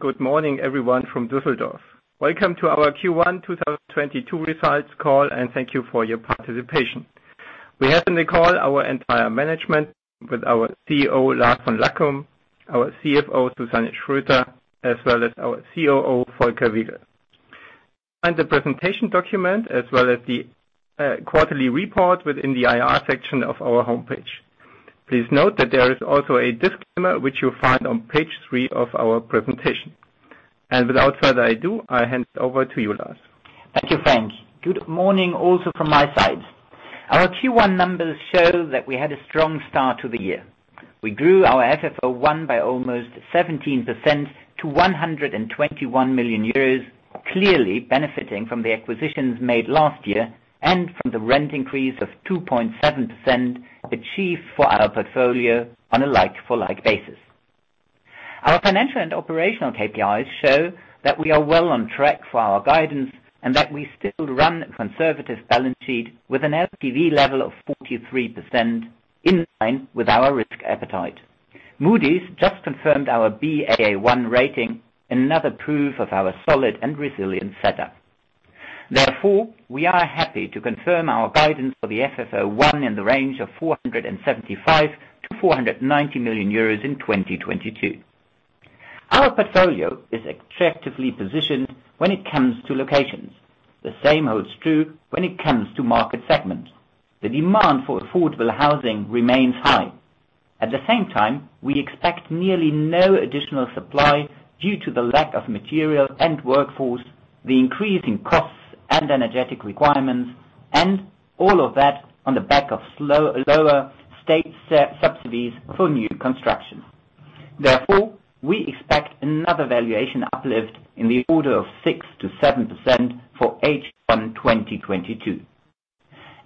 Good morning, everyone from Düsseldorf. Welcome to our Q1 2022 results call, and thank you for your participation. We have in the call our entire management with our CEO, Lars von Lackum, our CFO, Susanne Schröter-Crossan, as well as our COO, Volker Wiegel. The presentation document, as well as the quarterly report within the IR section of our homepage. Please note that there is also a disclaimer which you'll find on page three of our presentation. Without further ado, I hand over to you, Lars. Thank you, Frank. Good morning also from my side. Our Q1 numbers show that we had a strong start to the year. We grew our FFO 1 by almost 17% to 121 million euros, clearly benefiting from the acquisitions made last year and from the rent increase of 2.7% achieved for our portfolio on a like for like basis. Our financial and operational KPIs show that we are well on track for our guidance and that we still run a conservative balance sheet with an LTV level of 43% in line with our risk appetite. Moody's just confirmed our Baa1 rating, another proof of our solid and resilient setup. Therefore, we are happy to confirm our guidance for the FFO 1 in the range of 475 million-490 million euros in 2022. Our portfolio is attractively positioned when it comes to locations. The same holds true when it comes to market segments. The demand for affordable housing remains high. At the same time, we expect nearly no additional supply due to the lack of material and workforce, the increase in costs and energetic requirements, and all of that on the back of lower state subsidies for new construction. Therefore, we expect another valuation uplift in the order of 6%-7% for H1 2022.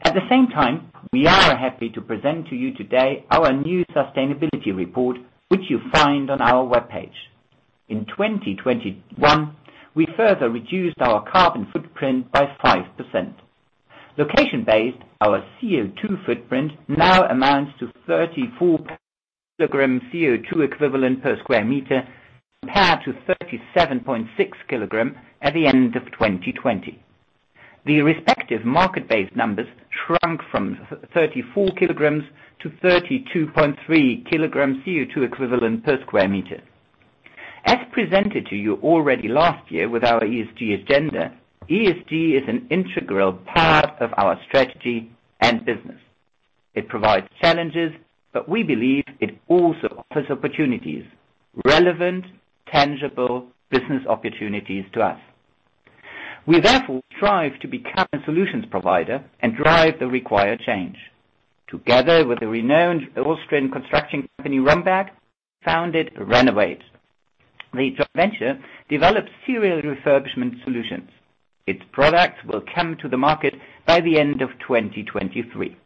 At the same time, we are happy to present to you today our new sustainability report, which you find on our webpage. In 2021, we further reduced our carbon footprint by 5%. Location-based, our CO₂ footprint now amounts to 34 kilogram CO₂ equivalent per square meter, compared to 37.6 kilogram at the end of 2020. The respective market-based numbers shrunk from 34 kilograms to 32.3 kilograms CO₂ equivalent per square meter. As presented to you already last year with our ESG agenda, ESG is an integral part of our strategy and business. It provides challenges, but we believe it also offers opportunities, relevant, tangible business opportunities to us. We therefore strive to become a solutions provider and drive the required change. Together with the renowned Austrian construction company, Rhomberg, founded RENOWATE. The joint venture develops serial refurbishment solutions. Its products will come to the market by the end of 2023.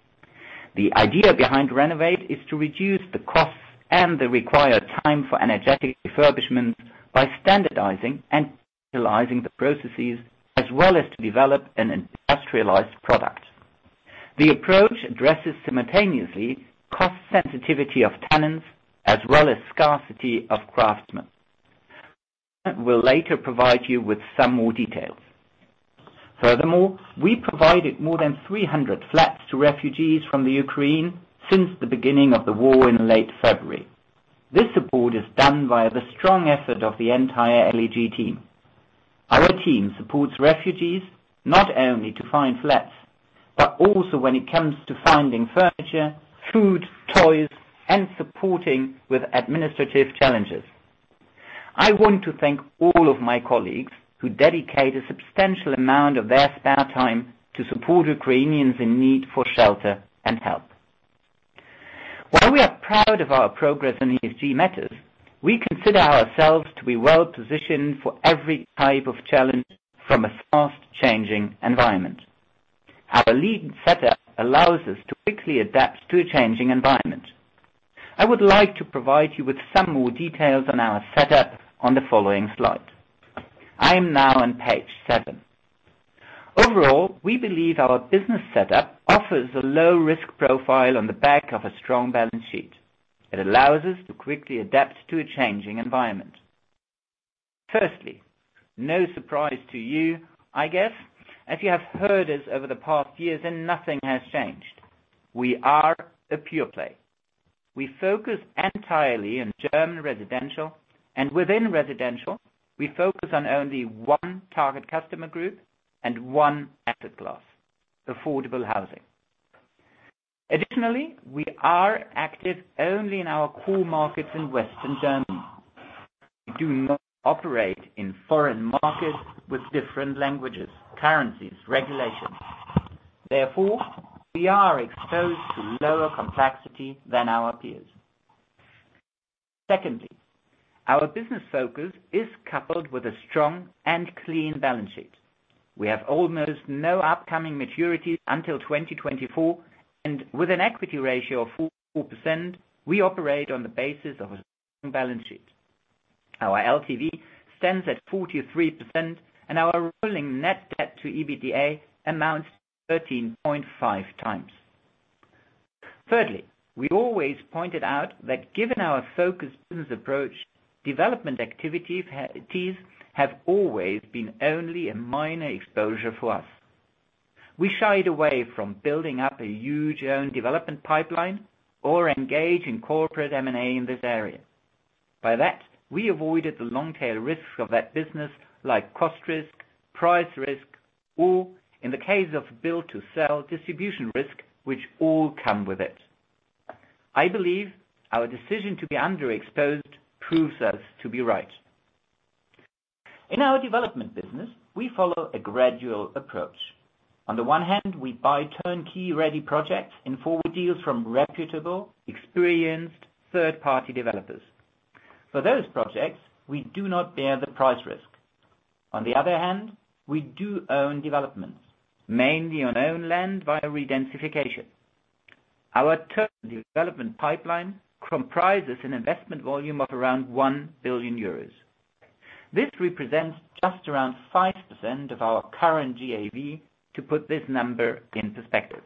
The idea behind RENOWATE is to reduce the costs and the required time for energetic refurbishments by standardizing and utilizing the processes as well as to develop an industrialized product. The approach addresses simultaneously cost sensitivity of tenants as well as scarcity of craftsmen. We'll later provide you with some more details. Furthermore, we provided more than 300 flats to refugees from the Ukraine since the beginning of the war in late February. This support is done via the strong effort of the entire LEG team. Our team supports refugees not only to find flats, but also when it comes to finding furniture, food, toys, and supporting with administrative challenges. I want to thank all of my colleagues who dedicate a substantial amount of their spare time to support Ukrainians in need for shelter and help. While we are proud of our progress in ESG matters, we consider ourselves to be well-positioned for every type of challenge from a fast changing environment. Our lean setup allows us to quickly adapt to a changing environment. I would like to provide you with some more details on our setup on the following slide. I am now on page seven. Overall, we believe our business setup offers a low risk profile on the back of a strong balance sheet. It allows us to quickly adapt to a changing environment. Firstly, no surprise to you, I guess, as you have heard us over the past years and nothing has changed. We are a pure play. We focus entirely in German residential, and within residential, we focus on only one target customer group and one asset class, affordable housing. Additionally, we are active only in our core markets in Western Germany. We do not operate in foreign markets with different languages, currencies, regulations. Therefore, we are exposed to lower complexity than our peers. Secondly, our business focus is coupled with a strong and clean balance sheet. We have almost no upcoming maturities until 2024, and with an equity ratio of 4%, we operate on the basis of a strong balance sheet. Our LTV stands at 43%, and our rolling net debt to EBITDA amounts to 13.5x. Thirdly, we always pointed out that given our focused business approach, development activities have always been only a minor exposure for us. We shied away from building up a huge own development pipeline or engage in corporate M&A in this area. By that, we avoided the long tail risks of that business, like cost risk, price risk, or in the case of build to sell, distribution risk, which all come with it. I believe our decision to be underexposed proves us to be right. In our development business, we follow a gradual approach. On the one hand, we buy turnkey ready projects and forward deals from reputable, experienced third-party developers. For those projects, we do not bear the price risk. On the other hand, we do own developments, mainly on own land via redensification. Our current development pipeline comprises an investment volume of around 1 billion euros. This represents just around 5% of our current GAV to put this number in perspective.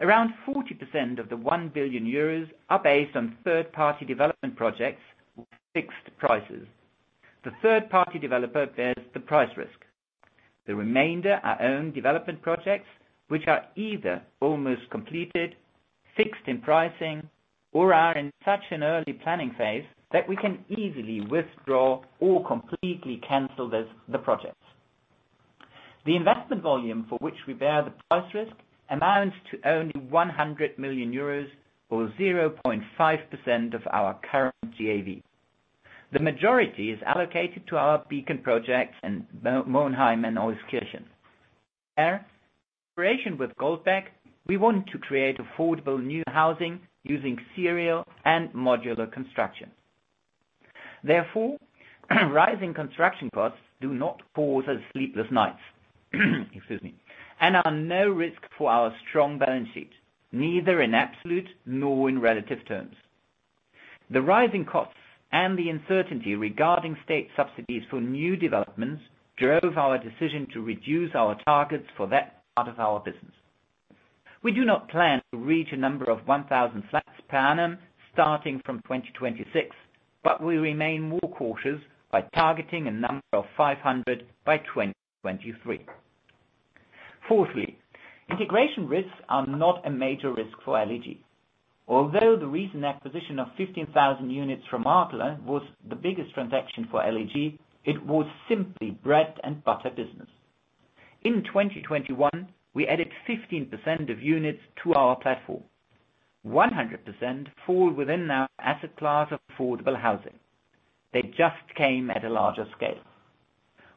Around 40% of the 1 billion euros are based on third-party development projects with fixed prices. The third-party developer bears the price risk. The remainder are own development projects, which are either almost completed, fixed in pricing, or are in such an early planning phase that we can easily withdraw or completely cancel this, the projects. The investment volume for which we bear the price risk amounts to only 100 million euros or 0.5% of our current GAV. The majority is allocated to our beacon projects in Monheim and Euskirchen. There, in cooperation with Goldbeck, we want to create affordable new housing using serial and modular construction. Therefore, rising construction costs do not cause us sleepless nights, excuse me, and are no risk for our strong balance sheet, neither in absolute nor in relative terms. The rising costs and the uncertainty regarding state subsidies for new developments drove our decision to reduce our targets for that part of our business. We do not plan to reach a number of 1,000 flats per annum starting from 2026, but we remain more cautious by targeting a number of 500 by 2023. Fourthly, integration risks are not a major risk for LEG. Although the recent acquisition of 15,000 units from Adler Group was the biggest transaction for LEG, it was simply bread and butter business. In 2021, we added 15% of units to our platform. 100% fall within our asset class of affordable housing. They just came at a larger scale.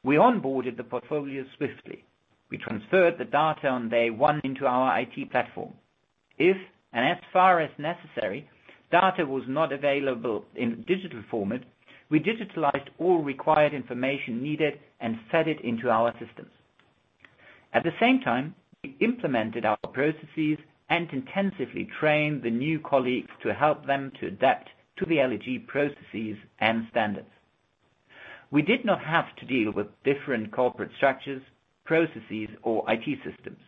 We onboarded the portfolio swiftly. We transferred the data on day one into our IT platform. If and as far as necessary data was not available in digital format, we digitalized all required information needed and fed it into our systems. At the same time, we implemented our processes and intensively trained the new colleagues to help them to adapt to the LEG processes and standards. We did not have to deal with different corporate structures, processes, or IT systems.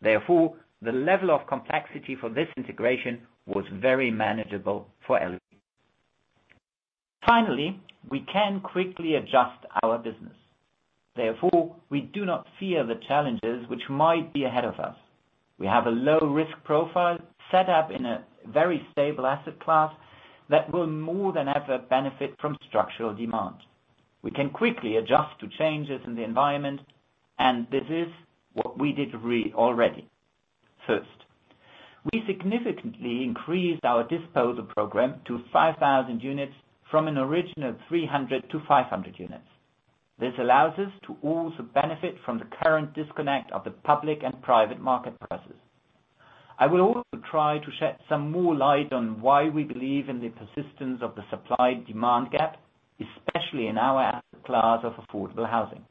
Therefore, the level of complexity for this integration was very manageable for LEG. Finally, we can quickly adjust our business. Therefore, we do not fear the challenges which might be ahead of us. We have a low-risk profile set up in a very stable asset class that will more than ever benefit from structural demand. We can quickly adjust to changes in the environment, and this is what we did already. First, we significantly increased our disposal program to 5,000 units from an original 300 units-500 units. This allows us to also benefit from the current disconnect of the public and private market prices. I will also try to shed some more light on why we believe in the persistence of the supply-demand gap, especially in our asset class of affordable housing.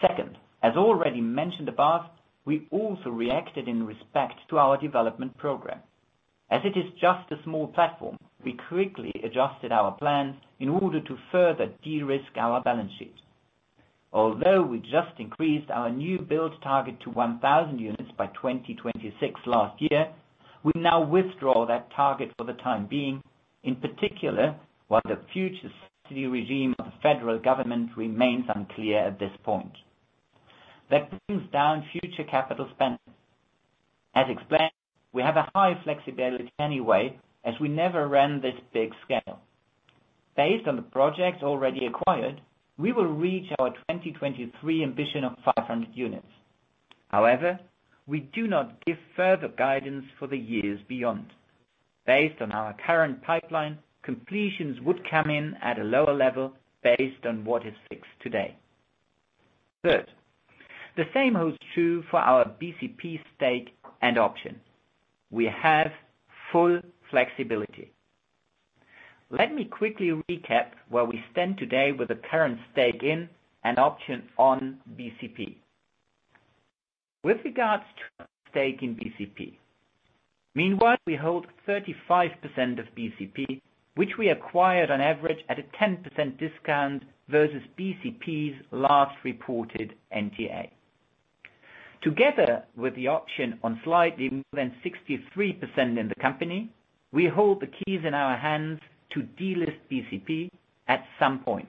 Second, as already mentioned above, we also reacted in respect to our development program. As it is just a small platform, we quickly adjusted our plan in order to further de-risk our balance sheet. Although we just increased our new build target to 1,000 units by 2026 last year, we now withdraw that target for the time being, in particular, while the future subsidy regime of the federal government remains unclear at this point. That brings down future capital spend. As explained, we have a high flexibility anyway, as we never ran this big scale. Based on the projects already acquired, we will reach our 2023 ambition of 500 units. However, we do not give further guidance for the years beyond. Based on our current pipeline, completions would come in at a lower level based on what is fixed today. Third, the same holds true for our BCP stake and option. We have full flexibility. Let me quickly recap where we stand today with the current stake in and option on BCP. With regards to our stake in BCP. Meanwhile, we hold 35% of BCP, which we acquired on average at a 10% discount versus BCP's last reported NTA. Together with the option on slightly more than 63% in the company, we hold the keys in our hands to delist BCP at some point.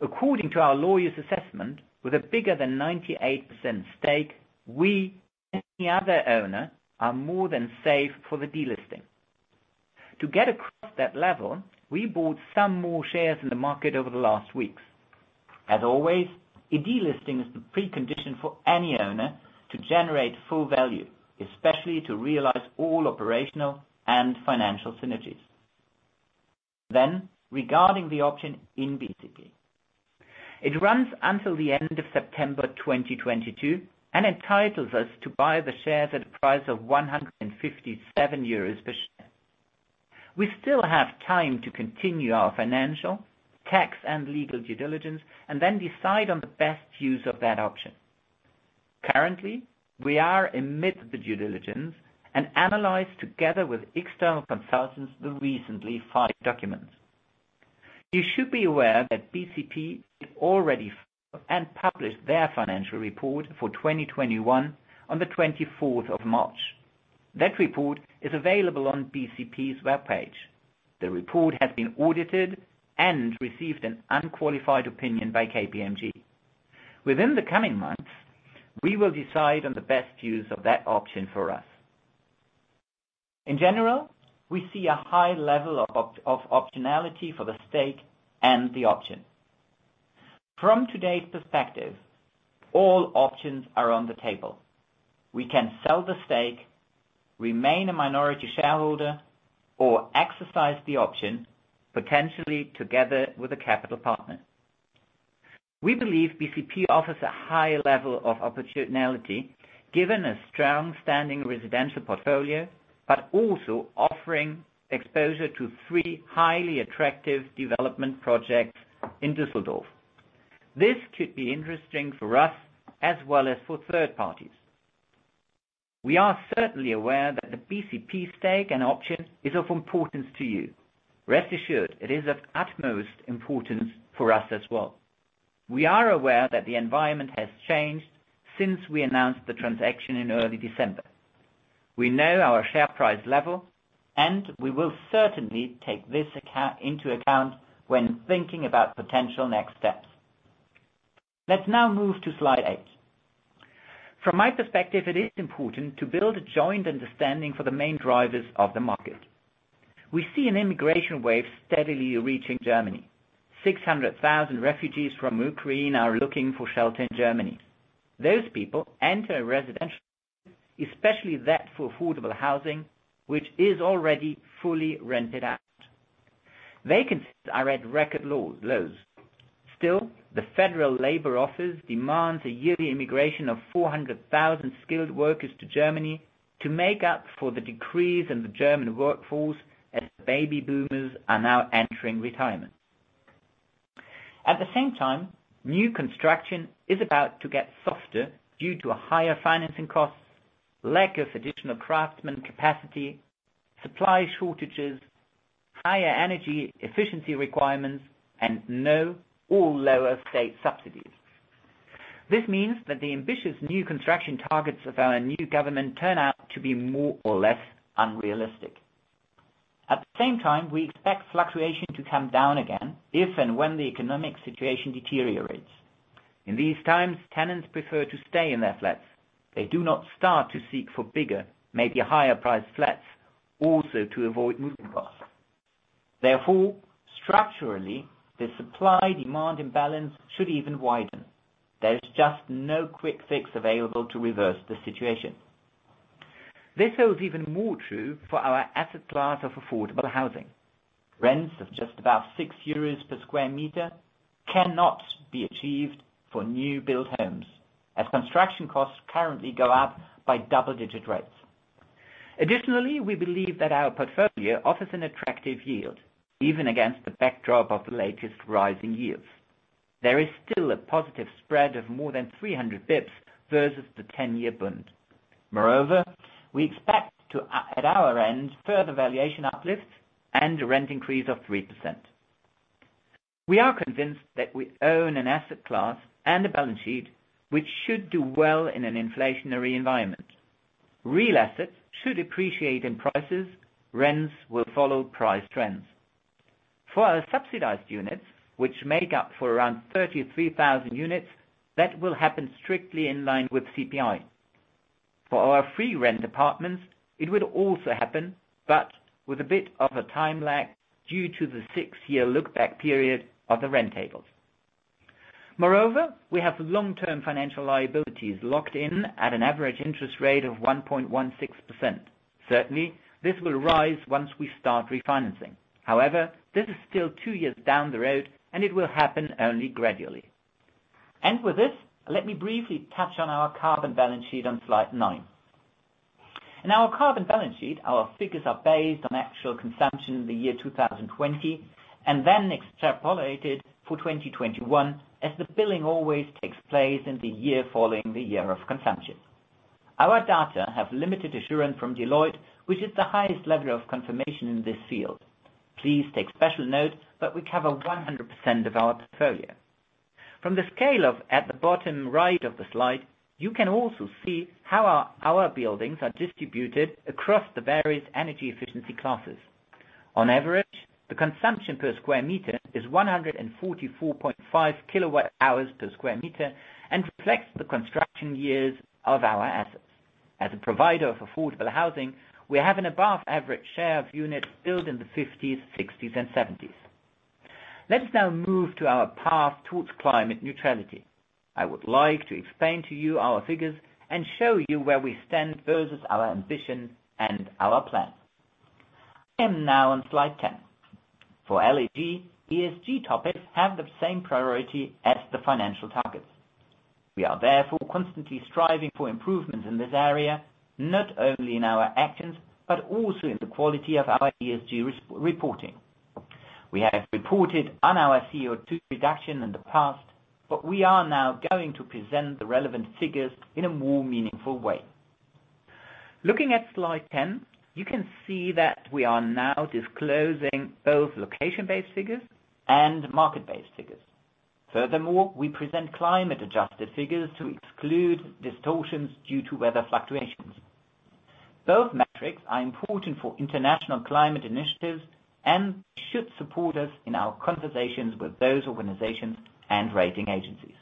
According to our lawyer's assessment, with a bigger than 98% stake, we and the other owner are more than safe for the delisting. To get across that level, we bought some more shares in the market over the last weeks. As always, a delisting is the precondition for any owner to generate full value, especially to realize all operational and financial synergies. Regarding the option in BCP. It runs until the end of September 2022 and entitles us to buy the shares at a price of 157 euros per share. We still have time to continue our financial, tax, and legal due diligence and then decide on the best use of that option. Currently, we are amid the due diligence and analyze together with external consultants the recently filed documents. You should be aware that BCP already published their financial report for 2021 on the 24th of March. That report is available on BCP's webpage. The report has been audited and received an unqualified opinion by KPMG. Within the coming months, we will decide on the best use of that option for us. In general, we see a high level of optionality for the stake and the option. From today's perspective, all options are on the table. We can sell the stake, remain a minority shareholder, or exercise the option, potentially together with a capital partner. We believe BCP offers a high level of optionality given a strong standalone residential portfolio, but also offering exposure to 3 highly attractive development projects in Düsseldorf. This could be interesting for us as well as for third parties. We are certainly aware that the BCP stake and option is of importance to you. Rest assured it is of utmost importance for us as well. We are aware that the environment has changed since we announced the transaction in early December. We know our share price level, and we will certainly take this into account when thinking about potential next steps. Let's now move to slide 8. From my perspective, it is important to build a joint understanding for the main drivers of the market. We see an immigration wave steadily reaching Germany. 600,000 refugees from Ukraine are looking for shelter in Germany. Those people enter a residential, especially that for affordable housing, which is already fully rented out. Vacancies are at record lows. Still, the Federal Employment Agency demands a yearly immigration of 400,000 skilled workers to Germany to make up for the decrease in the German workforce as baby boomers are now entering retirement. At the same time, new construction is about to get softer due to higher financing costs, lack of additional craftsmen capacity, supply shortages, higher energy efficiency requirements, and no or lower state subsidies. This means that the ambitious new construction targets of our new government turn out to be more or less unrealistic. At the same time, we expect fluctuation to come down again if and when the economic situation deteriorates. In these times, tenants prefer to stay in their flats. They do not start to seek for bigger, maybe higher priced flats, also to avoid moving costs. Therefore, structurally, the supply-demand imbalance should even widen. There's just no quick fix available to reverse the situation. This holds even more true for our asset class of affordable housing. Rents of just about 6 euros per square meter cannot be achieved for new build homes as construction costs currently go up by double-digit rates. Additionally, we believe that our portfolio offers an attractive yield, even against the backdrop of the latest rise in yields. There is still a positive spread of more than 300 bps versus the ten-year bond. Moreover, we expect at our end, further valuation uplift and a rent increase of 3%. We are convinced that we own an asset class and a balance sheet which should do well in an inflationary environment. Real assets should appreciate in prices. Rents will follow price trends. For our subsidized units, which make up for around 33,000 units, that will happen strictly in line with CPI. For our free rent apartments, it will also happen, but with a bit of a time lag due to the 6-year look-back period of the rent tables. Moreover, we have long-term financial liabilities locked in at an average interest rate of 1.16%. Certainly, this will rise once we start refinancing. However, this is still 2 years down the road, and it will happen only gradually. With this, let me briefly touch on our carbon balance sheet on slide 9. In our carbon balance sheet, our figures are based on actual consumption in the year 2020 and then extrapolated for 2021, as the billing always takes place in the year following the year of consumption. Our data have limited assurance from Deloitte, which is the highest level of confirmation in this field. Please take special note that we cover 100% of our portfolio. From the scale at the bottom right of the slide, you can also see how our buildings are distributed across the various energy efficiency classes. On average, the consumption per square meter is 144.5 kWh per m² and reflects the construction years of our assets. As a provider of affordable housing, we have an above average share of units built in the fifties, sixties, and seventies. Let's now move to our path towards climate neutrality. I would like to explain to you our figures and show you where we stand versus our ambition and our plans. Now on slide 10. For LEG, ESG topics have the same priority as the financial targets. We are therefore constantly striving for improvements in this area, not only in our actions, but also in the quality of our ESG reporting. We have reported on our CO₂ reduction in the past, but we are now going to present the relevant figures in a more meaningful way. Looking at slide 10, you can see that we are now disclosing both location-based figures and market-based figures. Furthermore, we present climate-adjusted figures to exclude distortions due to weather fluctuations. Both metrics are important for international climate initiatives and should support us in our conversations with those organizations and rating agencies.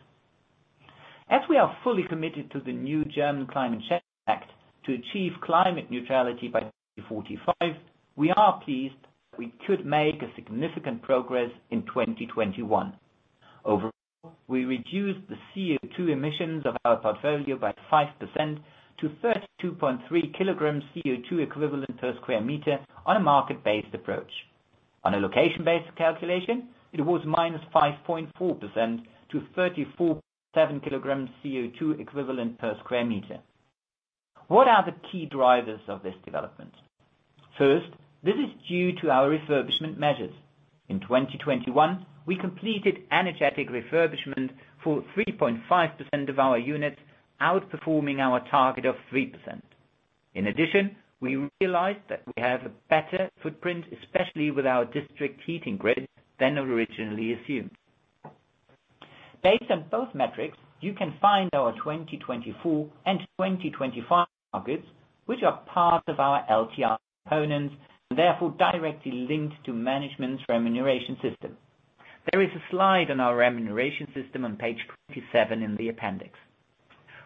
We are fully committed to the Federal Climate Change Act to achieve climate neutrality by 2045. We are pleased we could make significant progress in 2021. Overall, we reduced the CO₂ emissions of our portfolio by 5% to 32.3 kilograms CO₂ equivalent per sq m on a market-based approach. On a location-based calculation, it was -5.4% to 34.7 kilograms CO₂ equivalent per sq m. What are the key drivers of this development? First, this is due to our refurbishment measures. In 2021, we completed energetic refurbishment for 3.5% of our units, outperforming our target of 3%. In addition, we realized that we have a better footprint, especially with our district heating grid than originally assumed. Based on both metrics, you can find our 2024 and 2025 targets, which are part of our LTR components, therefore directly linked to management's remuneration system. There is a slide on our remuneration system on page 27 in the appendix.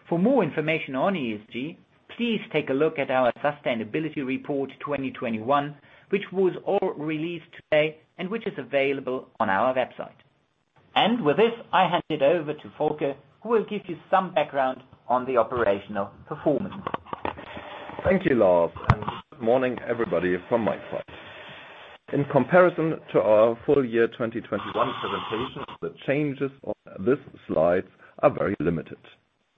For more information on ESG, please take a look at our sustainability report 2021, which was all released today and which is available on our website. With this, I hand it over to Volker, who will give you some background on the operational performance. Thank you, Lars, and good morning, everybody from my side. In comparison to our full year 2021 presentation, the changes on this slide are very limited.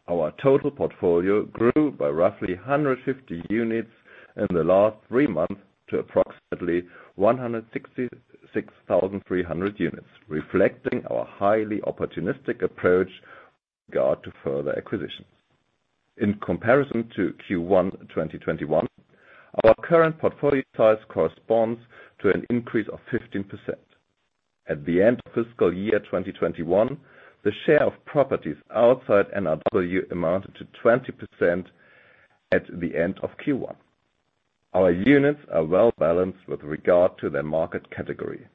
Our total portfolio grew by roughly 150 units in the last three months to approximately 166,300 units, reflecting our highly opportunistic approach with regard to further acquisitions. In comparison to Q1 2021, our current portfolio size corresponds to an increase of 15%. At the end of fiscal year 2021, the share of properties outside NRW amounted to 20% at the end of Q1. Our units are well balanced with regard to their market category.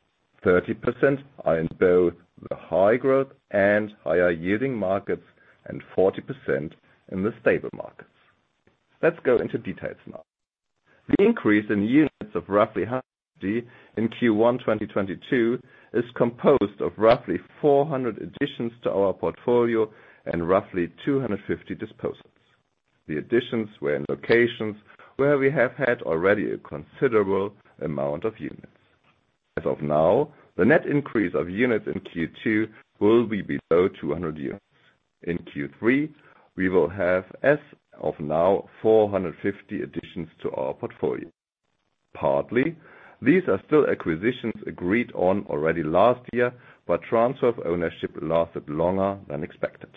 30% are in both the high growth and higher yielding markets, and 40% in the stable markets. Let's go into details now. The increase in units of roughly 150 in Q1 2022 is composed of roughly 400 additions to our portfolio and roughly 250 disposals. The additions were in locations where we have had already a considerable amount of units. As of now, the net increase of units in Q2 will be below 200 units. In Q3, we will have, as of now, 450 additions to our portfolio. Partly, these are still acquisitions agreed on already last year, but transfer of ownership lasted longer than expected.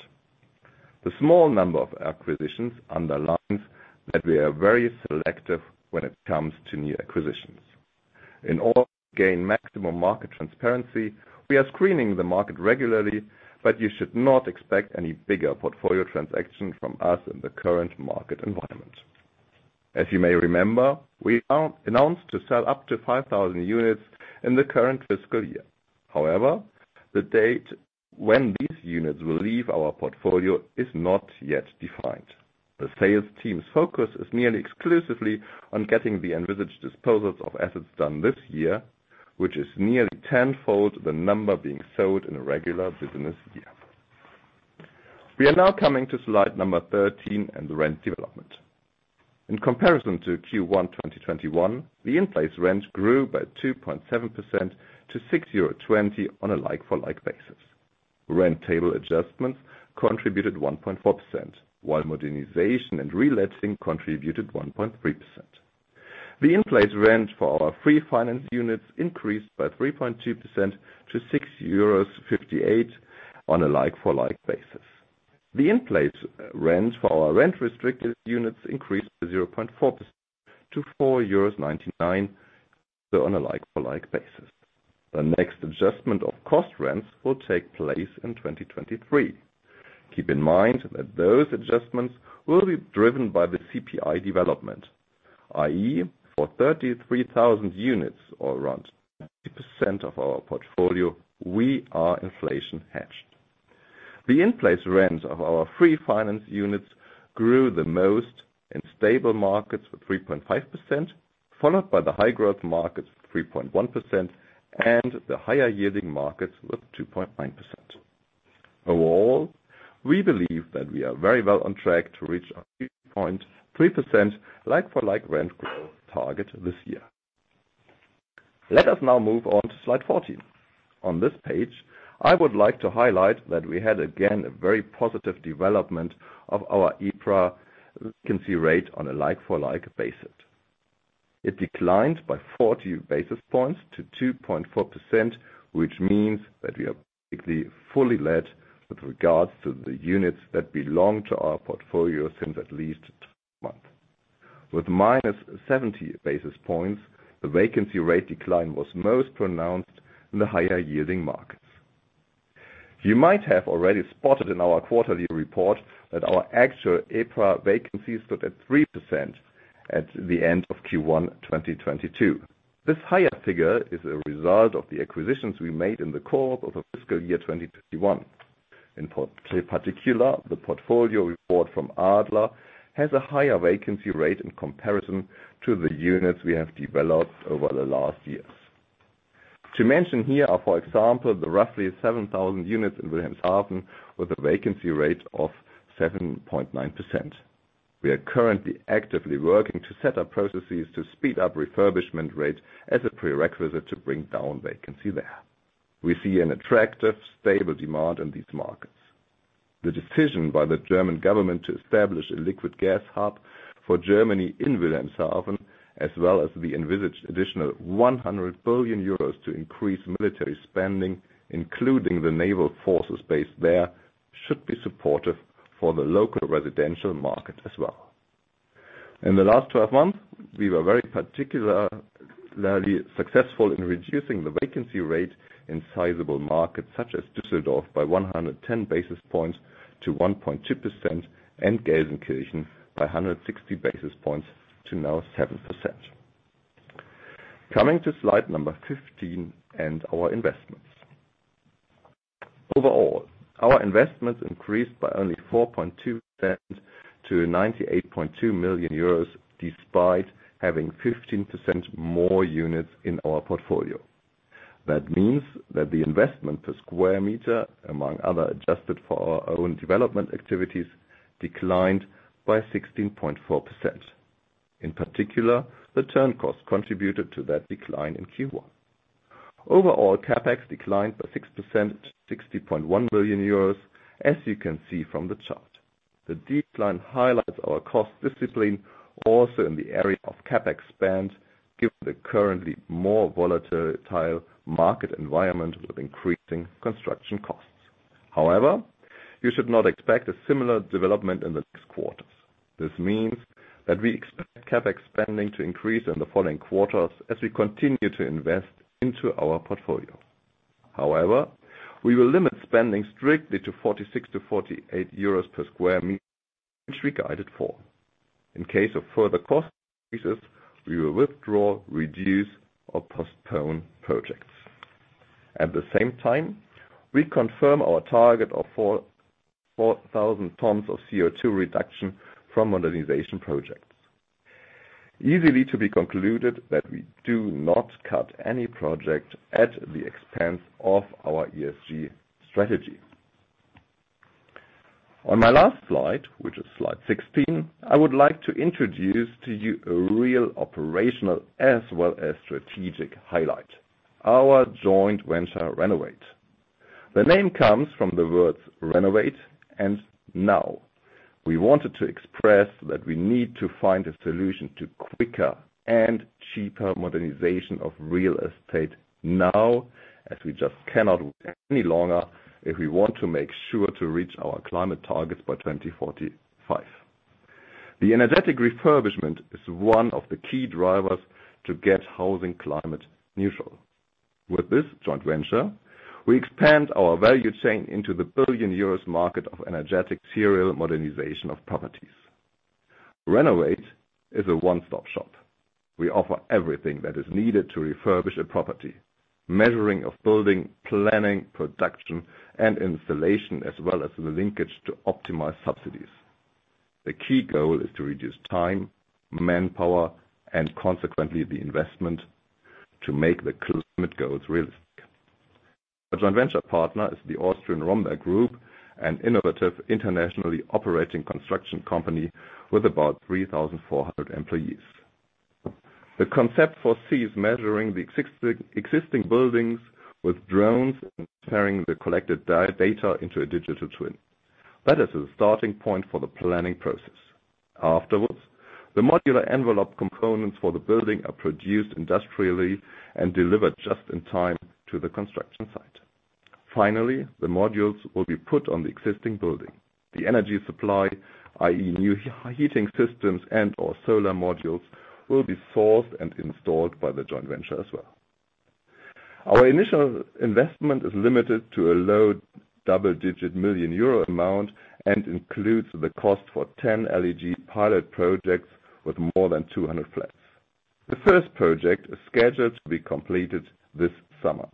The small number of acquisitions underlines that we are very selective when it comes to new acquisitions. In order to gain maximum market transparency, we are screening the market regularly, but you should not expect any bigger portfolio transaction from us in the current market environment. As you may remember, we announced to sell up to 5,000 units in the current fiscal year. However, the date when these units will leave our portfolio is not yet defined. The sales team's focus is nearly exclusively on getting the envisaged disposals of assets done this year, which is nearly tenfold the number being sold in a regular business year. We are now coming to slide number 13 and the rent development. In comparison to Q1 2021, the in-place rents grew by 2.7% to €6.20 on a like-for-like basis. Rent table adjustments contributed 1.4%, while modernization and reletting contributed 1.3%. The in-place rent for our free finance units increased by 3.2% to €6.58 on a like-for-like basis. The in-place rent for our rent restricted units increased to 0.4% to 4.99 euros on a like-for-like basis. The next adjustment of cost rents will take place in 2023. Keep in mind that those adjustments will be driven by the CPI development, i.e., for 33,000 units or around 30% of our portfolio, we are inflation hedged. The in-place rent of our free finance units grew the most in stable markets with 3.5%, followed by the high growth markets, 3.1%, and the higher yielding markets with 2.9%. Overall, we believe that we are very well on track to reach our 3.3% like-for-like rent growth target this year. Let us now move on to slide 14. On this page, I would like to highlight that we had again a very positive development of our EPRA vacancy rate on a like for like basis. It declined by 40 basis points to 2.4%, which means that we are basically fully let with regards to the units that belong to our portfolio since at least 12 months. With -70 basis points, the vacancy rate decline was most pronounced in the higher yielding markets. You might have already spotted in our quarterly report that our actual EPRA vacancy stood at 3% at the end of Q1 2022. This higher figure is a result of the acquisitions we made in the course of the fiscal year 2021. In particular, the portfolio report from Adler has a higher vacancy rate in comparison to the units we have developed over the last years. To mention here are, for example, the roughly 7,000 units in Wilhelmshaven with a vacancy rate of 7.9%. We are currently actively working to set up processes to speed up refurbishment rates as a prerequisite to bring down vacancy there. We see an attractive, stable demand in these markets. The decision by the German government to establish a liquid gas hub for Germany in Wilhelmshaven, as well as the envisaged additional 100 billion euros to increase military spending, including the naval forces based there, should be supportive for the local residential market as well. In the last 12 months, we were very particularly successful in reducing the vacancy rate in sizable markets such as Düsseldorf by 110 basis points to 1.2% and Gelsenkirchen by 160 basis points to now 7%. Coming to slide 15 and our investments. Overall, our investments increased by only 4.2% to 98.2 million euros, despite having 15% more units in our portfolio. That means that the investment per square meter, among other adjusted for our own development activities, declined by 16.4%. In particular, the turn cost contributed to that decline in Q1. Overall, CapEx declined by 6% to 60.1 million euros, as you can see from the chart. The decline highlights our cost discipline also in the area of CapEx spend, given the currently more volatile market environment with increasing construction costs. However, you should not expect a similar development in the next quarters. This means that we expect CapEx spending to increase in the following quarters as we continue to invest into our portfolio. However, we will limit spending strictly to 46-48 euros per square meter, which we guided for. In case of further cost increases, we will withdraw, reduce, or postpone projects. At the same time, we confirm our target of 4,000 tons of CO₂ reduction from modernization projects. Easily to be concluded that we do not cut any project at the expense of our ESG strategy. On my last slide, which is slide 16, I would like to introduce to you a real operational as well as strategic highlight, our joint venture, RENOWATE. The name comes from the words renovate and now. We wanted to express that we need to find a solution to quicker and cheaper modernization of real estate now, as we just cannot wait any longer if we want to make sure to reach our climate targets by 2045. The energetic refurbishment is one of the key drivers to get housing climate neutral. With this joint venture, we expand our value chain into the billion euros market of energetic serial modernization of properties. RENOWATE is a one-stop shop. We offer everything that is needed to refurbish a property, measuring of building, planning, production, and installation, as well as the linkage to optimize subsidies. The key goal is to reduce time, manpower, and consequently, the investment to make the climate goals realistic. The joint venture partner is the Austrian Rhomberg Group, an innovative, internationally operating construction company with about 3,400 employees. The concept foresees measuring the existing buildings with drones and turning the collected data into a digital twin. That is the starting point for the planning process. Afterwards, the modular envelope components for the building are produced industrially and delivered just in time to the construction site. Finally, the modules will be put on the existing building. The energy supply, i.e., new heating systems and/or solar modules, will be sourced and installed by the joint venture as well. Our initial investment is limited to a low double-digit million euro amount and includes the cost for 10 LEG pilot projects with more than 200 flats. The first project is scheduled to be completed this summer.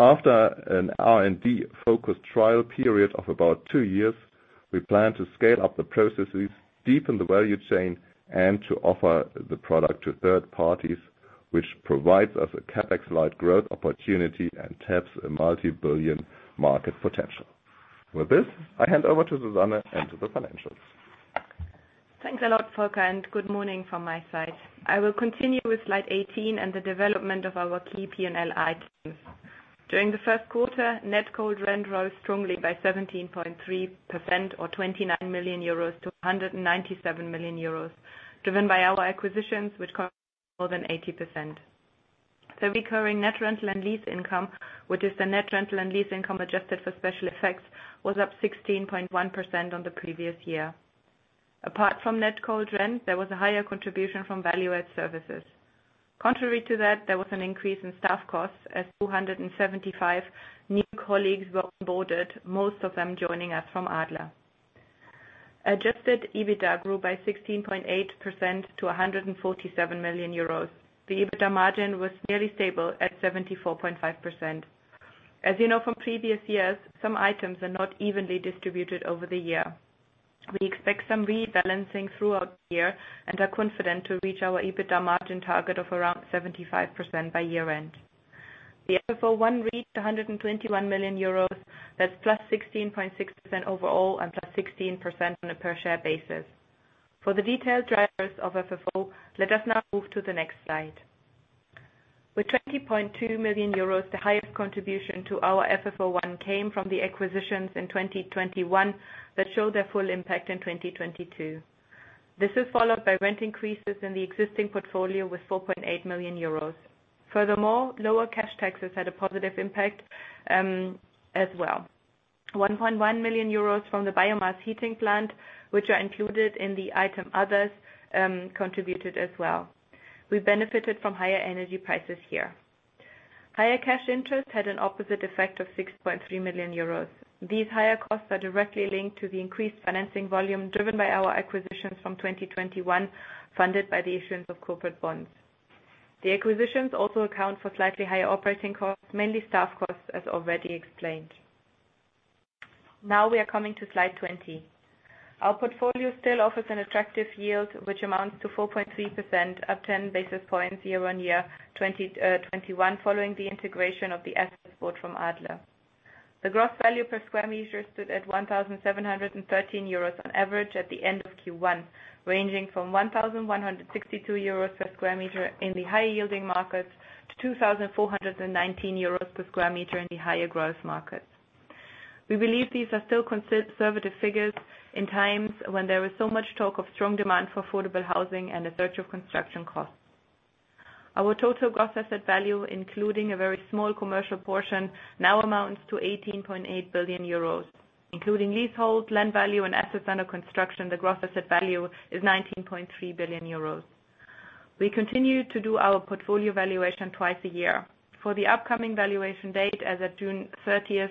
After an R&D focused trial period of about 2 years, we plan to scale up the processes, deepen the value chain, and to offer the product to third parties, which provides us a CapEx light growth opportunity and taps a multi-billion EUR market potential. With this, I hand over to Susanne and to the financials. Thanks a lot, Volker, and good morning from my side. I will continue with slide 18 and the development of our key P&L items. During the first quarter, net cold rent rose strongly by 17.3% or 29 million euros to 197 million euros, driven by our acquisitions, which accounted for more than 80%. The recurring net rental and lease income, which is the net rental and lease income adjusted for special effects, was up 16.1% on the previous year. Apart from net cold rent, there was a higher contribution from value-add services. Contrary to that, there was an increase in staff costs as 275 new colleagues were onboarded, most of them joining us from Adler. Adjusted EBITDA grew by 16.8% to 147 million euros. The EBITDA margin was nearly stable at 74.5%. As you know from previous years, some items are not evenly distributed over the year. We expect some rebalancing throughout the year and are confident to reach our EBITDA margin target of around 75% by year-end. The FFO one reached 121 million euros. That's plus 16.6% overall and plus 16% on a per share basis. For the detailed drivers of FFO, let us now move to the next slide. With 20.2 million euros, the highest contribution to our FFO one came from the acquisitions in 2021 that show their full impact in 2022. This is followed by rent increases in the existing portfolio with 4.8 million euros. Furthermore, lower cash taxes had a positive impact, as well. 1.1 million euros from the biomass heating plant, which are included in the item others, contributed as well. We benefited from higher energy prices here. Higher cash interest had an opposite effect of 6.3 million euros. These higher costs are directly linked to the increased financing volume driven by our acquisitions from 2021, funded by the issuance of corporate bonds. The acquisitions also account for slightly higher operating costs, mainly staff costs, as already explained. Now we are coming to slide 20. Our portfolio still offers an attractive yield, which amounts to 4.3% up 10 basis points year-on-year 2021 following the integration of the assets bought from Adler. The gross value per square meter stood at 1,713 euros on average at the end of Q1, ranging from 1,162 euros per square meter in the higher-yielding markets to 2,419 euros per square meter in the higher growth markets. We believe these are still conservative figures in times when there is so much talk of strong demand for affordable housing and a surge of construction costs. Our total gross asset value, including a very small commercial portion, now amounts to 18.8 billion euros, including leasehold, land value, and assets under construction. The gross asset value is 19.3 billion euros. We continue to do our portfolio valuation twice a year. For the upcoming valuation date, as of June thirtieth,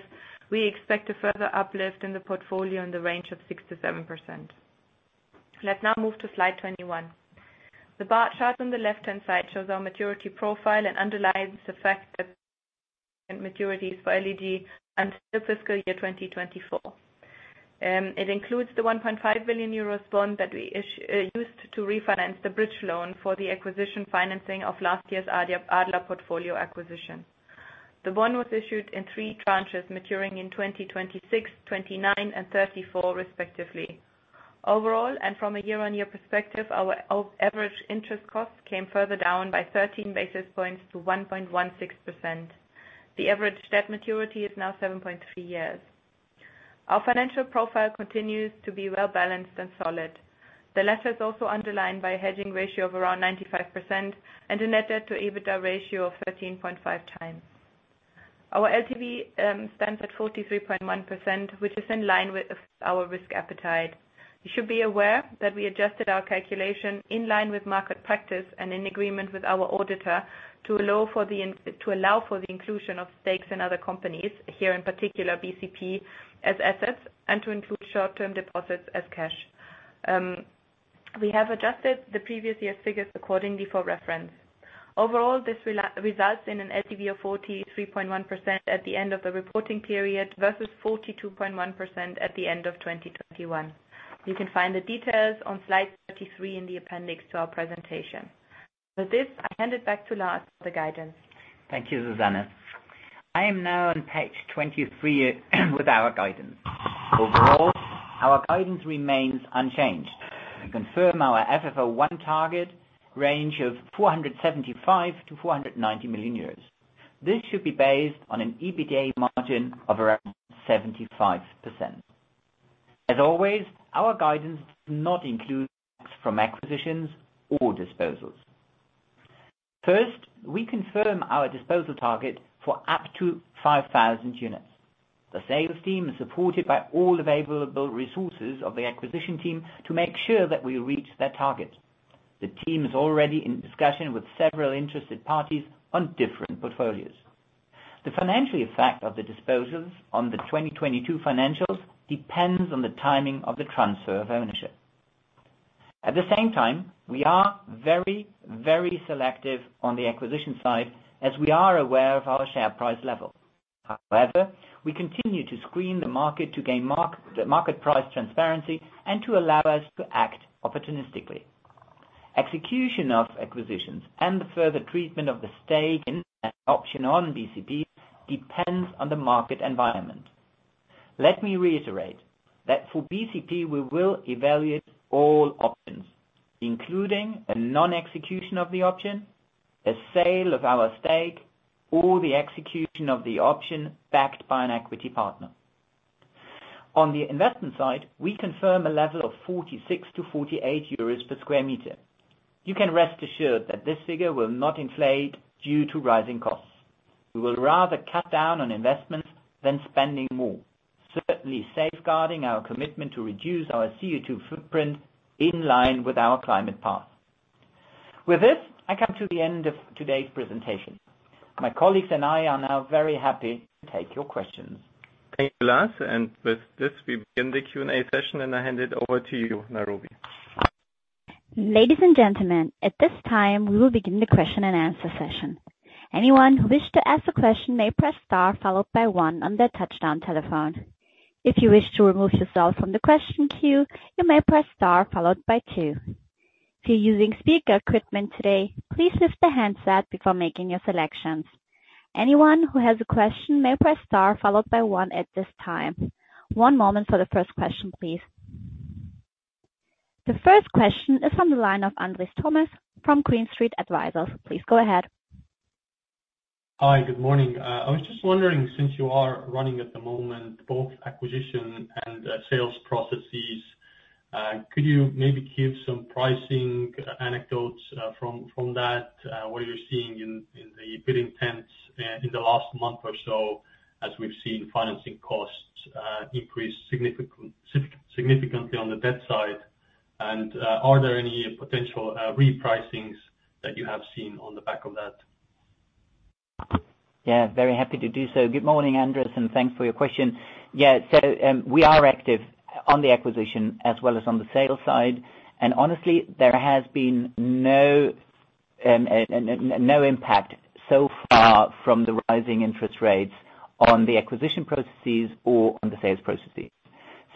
we expect a further uplift in the portfolio in the range of 6%-7%. Let's now move to slide 21. The bar chart on the left-hand side shows our maturity profile and underlines the fact that maturities for LEG until fiscal year 2024. It includes the 1.5 billion euros bond that we used to refinance the bridge loan for the acquisition financing of last year's Adler portfolio acquisition. The bond was issued in three tranches maturing in 2026, 2029, and 2034 respectively. Overall, and from a year-on-year perspective, our average interest cost came further down by 13 basis points to 1.16%. The average debt maturity is now 7.3 years. Our financial profile continues to be well-balanced and solid. The latter is also underlined by a hedging ratio of around 95% and a net debt to EBITDA ratio of 13.5x. Our LTV stands at 43.1%, which is in line with our risk appetite. You should be aware that we adjusted our calculation in line with market practice and in agreement with our auditor to allow for the inclusion of stakes in other companies, here in particular BCP, as assets, and to include short-term deposits as cash. We have adjusted the previous year's figures accordingly for reference. Overall, this results in an LTV of 43.1% at the end of the reporting period versus 42.1% at the end of 2021. You can find the details on slide 33 in the appendix to our presentation. With this, I hand it back to Lars for the guidance. Thank you, Susanne. I am now on page 23 with our guidance. Overall, our guidance remains unchanged. We confirm our FFO 1 target range of 475 million-490 million. This should be based on an EBITDA margin of around 75%. As always, our guidance does not include income from acquisitions or disposals. We confirm our disposal target for up to 5,000 units. The sales team is supported by all available resources of the acquisition team to make sure that we reach that target. The team is already in discussion with several interested parties on different portfolios. The financial effect of the disposals on the 2022 financials depends on the timing of the transfer of ownership. At the same time, we are very, very selective on the acquisition side as we are aware of our share price level. However, we continue to screen the market to gain the market price transparency and to allow us to act opportunistically. Execution of acquisitions and the further treatment of the stake in an option on BCP depends on the market environment. Let me reiterate that for BCP, we will evaluate all options, including a non-execution of the option, a sale of our stake, or the execution of the option backed by an equity partner. On the investment side, we confirm a level of 46-48 euros per square meter. You can rest assured that this figure will not inflate due to rising costs. We will rather cut down on investments than spending more, certainly safeguarding our commitment to reduce our CO₂ footprint in line with our climate path. With this, I come to the end of today's presentation. My colleagues and I are now very happy to take your questions. Thank you, Lars. With this, we begin the Q&A session, and I hand it over to you, Narubi. Ladies and gentlemen, at this time, we will begin the question and answer session. Anyone who wish to ask a question may press star followed by one on their touch-tone telephone. If you wish to remove yourself from the question queue, you may press star followed by two. If you're using speaker equipment today, please lift the handset before making your selections. Anyone who has a question may press star followed by one at this time. One moment for the first question, please. The first question is from the line of Andres Toome from Green Street Advisors. Please go ahead. Hi, good morning. I was just wondering, since you are running at the moment both acquisition and sales processes, could you maybe give some pricing anecdotes from that, what you're seeing in the bidding trends in the last month or so, as we've seen financing costs increase significantly on the debt side? Are there any potential repricings that you have seen on the back of that? Yeah, very happy to do so. Good morning, Andres, and thanks for your question. Yeah. We are active on the acquisition as well as on the sales side. Honestly, there has been no impact so far from the rising interest rates on the acquisition processes or on the sales processes.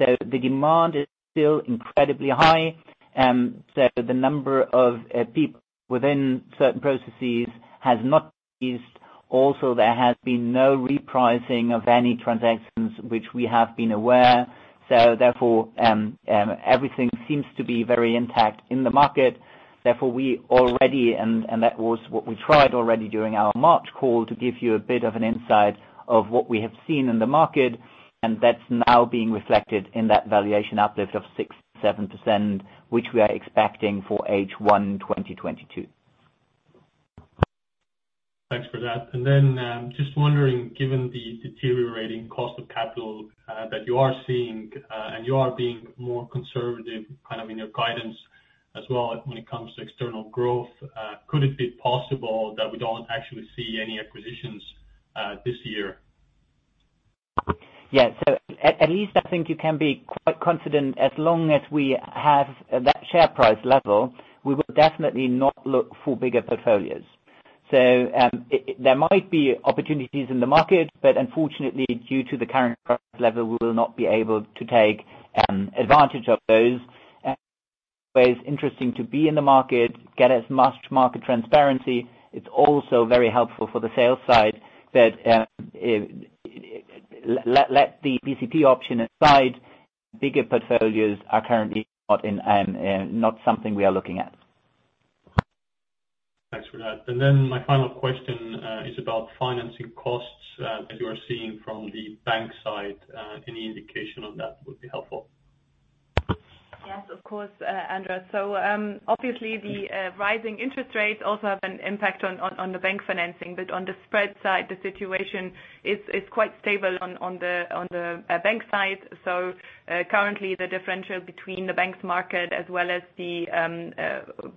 The demand is still incredibly high. The number of people within certain processes has not eased. Also, there has been no repricing of any transactions which we have been aware. Everything seems to be very intact in the market. Therefore, we already, and that was what we tried already during our March call to give you a bit of an insight of what we have seen in the market, and that's now being reflected in that valuation uplift of 6%-7%, which we are expecting for H1 2022. Thanks for that. Just wondering, given the deteriorating cost of capital that you are seeing, and you are being more conservative, kind of in your guidance as well when it comes to external growth, could it be possible that we don't actually see any acquisitions this year? Yeah. At least I think you can be quite confident as long as we have that share price level, we will definitely not look for bigger portfolios. There might be opportunities in the market, but unfortunately, due to the current price level, we will not be able to take advantage of those. It's interesting to be in the market, get as much market transparency. It's also very helpful for the sales side that, let the BCP option aside, bigger portfolios are currently not something we are looking at. Thanks for that. My final question is about financing costs that you are seeing from the bank side. Any indication on that would be helpful. Yes, of course, Andres. Obviously the rising interest rates also have an impact on the bank financing. On the spread side, the situation is quite stable on the bank side. Currently the differential between the banks market as well as the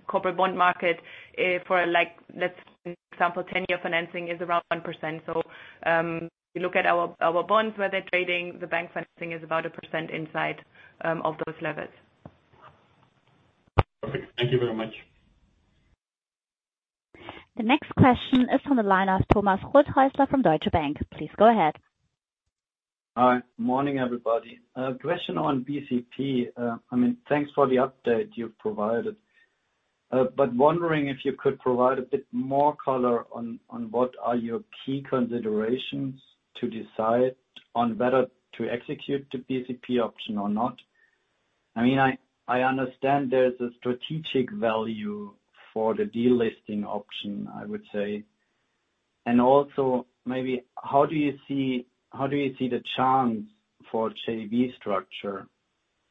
corporate bond market for like, let's say, example, 10-year financing is around 1%. We look at our bonds where they're trading, the bank financing is about 1% inside of those levels. Perfect. Thank you very much. The next question is from the line of Thomas Neuhold from Deutsche Bank. Please go ahead. Hi. Morning, everybody. A question on BCP. I mean, thanks for the update you've provided. Wondering if you could provide a bit more color on what are your key considerations to decide on whether to execute the BCP option or not. I mean, I understand there's a strategic value for the delisting option, I would say. Also maybe how do you see the chance for JV structure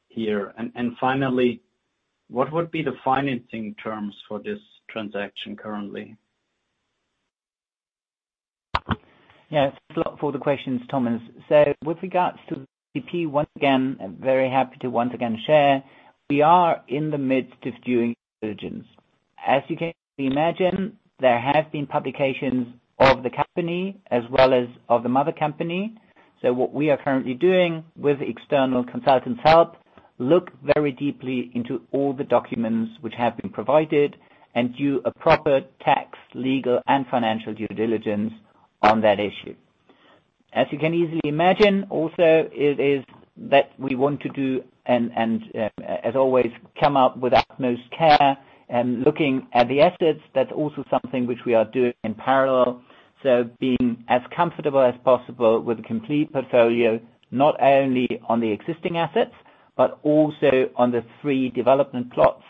here? Finally, what would be the financing terms for this transaction currently? Yeah. Thanks a lot for the questions, Thomas. With regards to BCP, once again, I'm very happy to once again share, we are in the midst of doing diligence. As you can imagine, there have been publications of the company as well as of the mother company. What we are currently doing with external consultants' help, look very deeply into all the documents which have been provided and do a proper tax, legal, and financial due diligence on that issue. As you can easily imagine also it is that we want to do and, as always, come up with utmost care and looking at the assets, that's also something which we are doing in parallel. Being as comfortable as possible with the complete portfolio, not only on the existing assets, but also on the three development plots,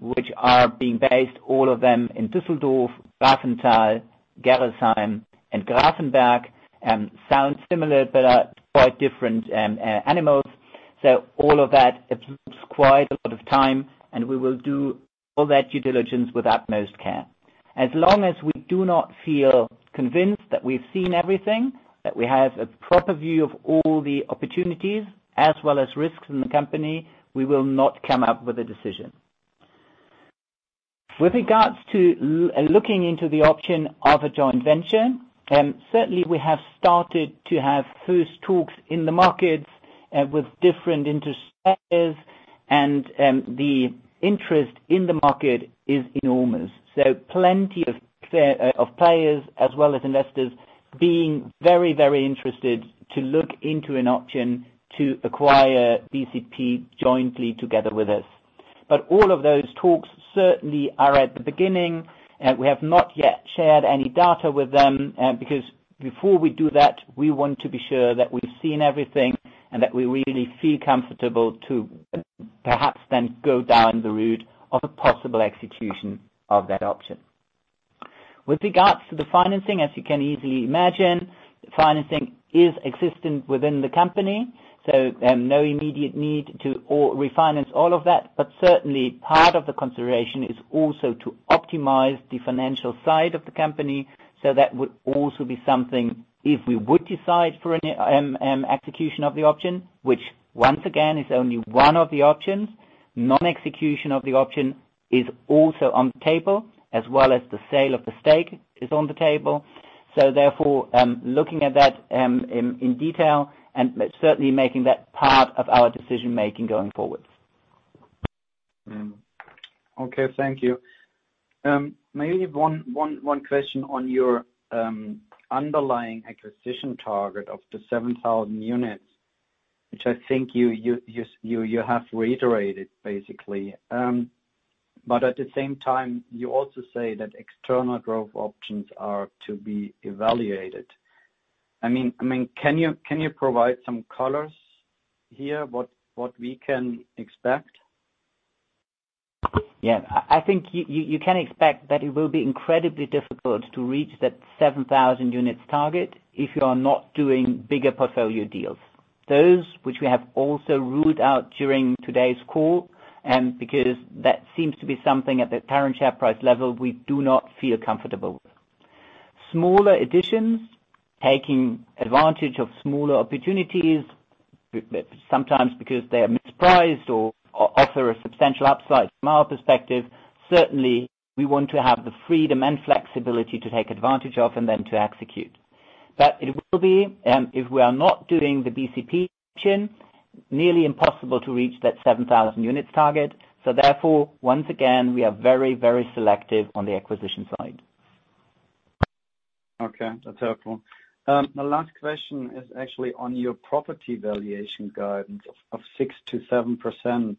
which are based, all of them in Düsseldorf, Benrath, Gerresheim and Grafenberg, sound similar but are quite different animals. All of that takes quite a lot of time, and we will do all that due diligence with utmost care. As long as we do not feel convinced that we've seen everything, that we have a proper view of all the opportunities as well as risks in the company, we will not come up with a decision. With regards to looking into the option of a joint venture, certainly we have started to have first talks in the markets, with different interested parties, and the interest in the market is enormous. Plenty of players as well as investors being very, very interested to look into an option to acquire BCP jointly together with us. All of those talks certainly are at the beginning. We have not yet shared any data with them, because before we do that, we want to be sure that we've seen everything and that we really feel comfortable to perhaps then go down the route of a possible execution of that option. With regards to the financing, as you can easily imagine, financing is existent within the company, so no immediate need to refinance all of that. Certainly part of the consideration is also to optimize the financial side of the company. That would also be something if we would decide for an execution of the option, which once again is only one of the options. Non-execution of the option is also on the table, as well as the sale of the stake is on the table. Therefore, looking at that, in detail and certainly making that part of our decision-making going forward. Okay. Thank you. Maybe one question on your underlying acquisition target of the 7,000 units, which I think you have reiterated basically. At the same time, you also say that external growth options are to be evaluated. I mean, can you provide some color here, what we can expect? Yeah. I think you can expect that it will be incredibly difficult to reach that 7,000 units target if you are not doing bigger portfolio deals. Those which we have also ruled out during today's call, because that seems to be something at the current share price level we do not feel comfortable with. Smaller additions, taking advantage of smaller opportunities, sometimes because they are mispriced or offer a substantial upside from our perspective, certainly we want to have the freedom and flexibility to take advantage of and then to execute. But it will be, if we are not doing the BCP option, nearly impossible to reach that 7,000 units target. Therefore, once again, we are very, very selective on the acquisition side. Okay, that's helpful. My last question is actually on your property valuation guidance of 6%-7%,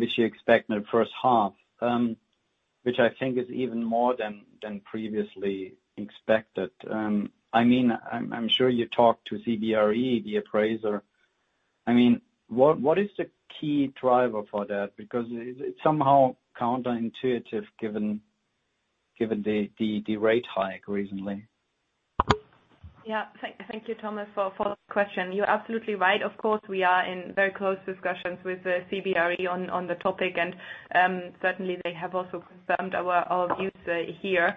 which you expect in the first half, which I think is even more than previously expected. I mean, I'm sure you talked to CBRE, the appraiser. I mean, what is the key driver for that? Because it's somehow counterintuitive given the rate hike recently. Yeah. Thank you, Thomas, for the question. You're absolutely right. Of course, we are in very close discussions with CBRE on the topic, and certainly they have also confirmed our views here.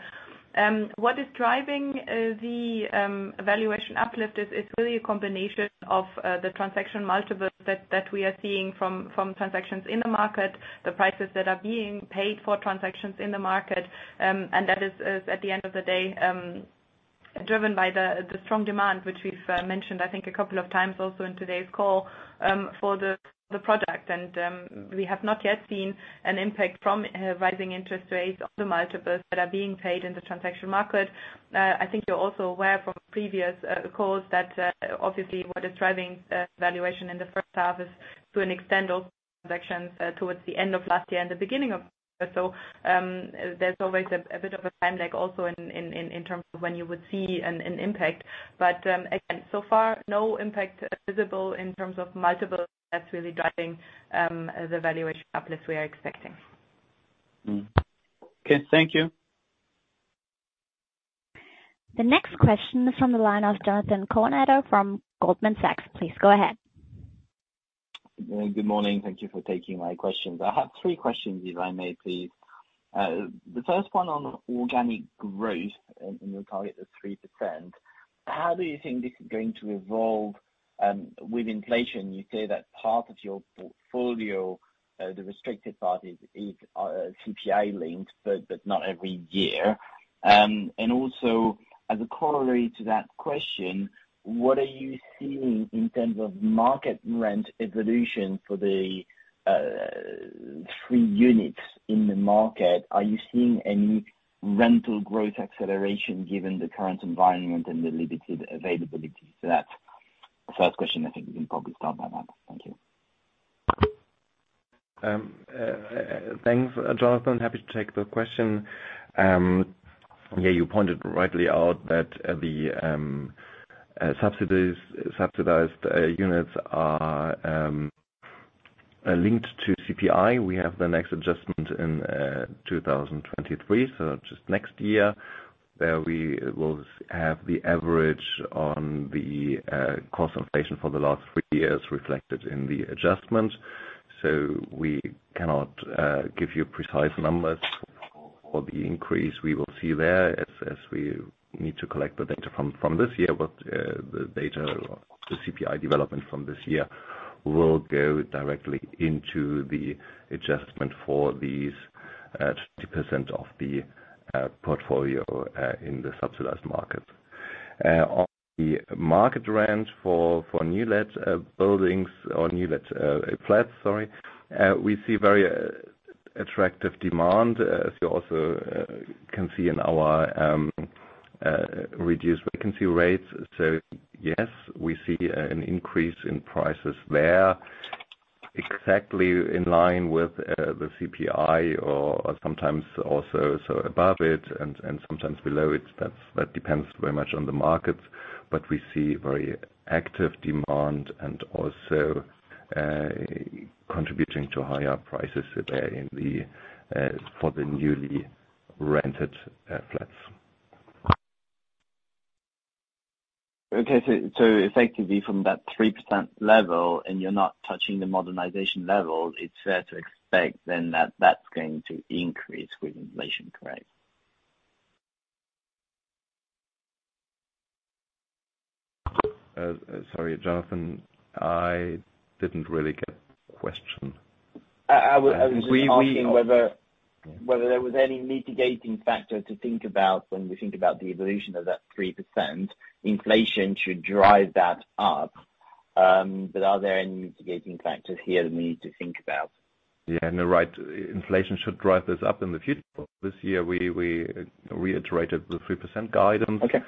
What is driving the valuation uplift is really a combination of the transaction multiples that we are seeing from transactions in the market, the prices that are being paid for transactions in the market. That is at the end of the day driven by the strong demand which we've mentioned, I think, a couple of times also in today's call, for the product. We have not yet seen an impact from rising interest rates on the multiples that are being paid in the transaction market. I think you're also aware from previous calls that obviously what is driving valuation in the first half is to an extent also transactions towards the end of last year and the beginning of this year. There's always a bit of a time lag also in terms of when you would see an impact. Again, so far, no impact visible in terms of multiples that's really driving the valuation uplift we are expecting. Okay. Thank you. The next question is from the line of Jonathan Kownator from Goldman Sachs. Please go ahead. Good morning. Thank you for taking my questions. I have three questions, if I may please. The first one on organic growth and your target of 3%, how do you think this is going to evolve with inflation? You say that part of your portfolio, the restricted part is CPI linked, but not every year. And also as a corollary to that question, what are you seeing in terms of market rent evolution for the free units in the market? Are you seeing any rental growth acceleration given the current environment and the limited availability to that? First question, I think we can probably start by that. Thank you. Thanks, Jonathan. Happy to take the question. Yeah, you pointed rightly out that the subsidized units are linked to CPI. We have the next adjustment in 2023, so just next year, where we will have the average on the cost inflation for the last three years reflected in the adjustment. We cannot give you precise numbers for the increase we will see there as we need to collect the data from this year. The data, the CPI development from this year will go directly into the adjustment for these 2% of the portfolio in the subsidized market. On the market rent for new let buildings or new let flats, sorry, we see very attractive demand, as you also can see in our reduced vacancy rates. Yes, we see an increase in prices there exactly in line with the CPI or sometimes also so above it and sometimes below it. That depends very much on the market, but we see very active demand and also contributing to higher prices there for the newly rented flats. Effectively from that 3% level, and you're not touching the modernization level, it's fair to expect then that that's going to increase with inflation, correct? Sorry, Jonathan, I didn't really get the question. I was just asking whether- We Whether there was any mitigating factor to think about when we think about the evolution of that 3%? Inflation should drive that up, but are there any mitigating factors here that we need to think about? Yeah. No, right. Inflation should drive this up in the future. This year we reiterated the 3% guidance. Okay.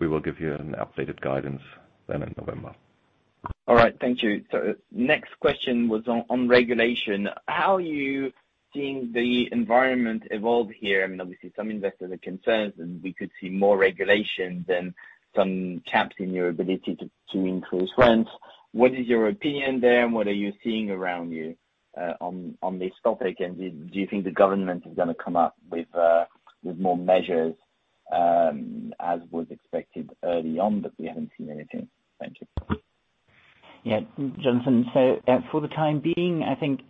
We will give you an updated guidance then in November. All right. Thank you. Next question was on regulation. How are you seeing the environment evolve here? I mean, obviously some investors are concerned, and we could see more regulation with some caps in your ability to increase rents. What is your opinion there, and what are you seeing around you on this topic? Do you think the government is gonna come up with with more measures as was expected early on, but we haven't seen anything? Thank you. Yeah, Jonathan. For the time being, I think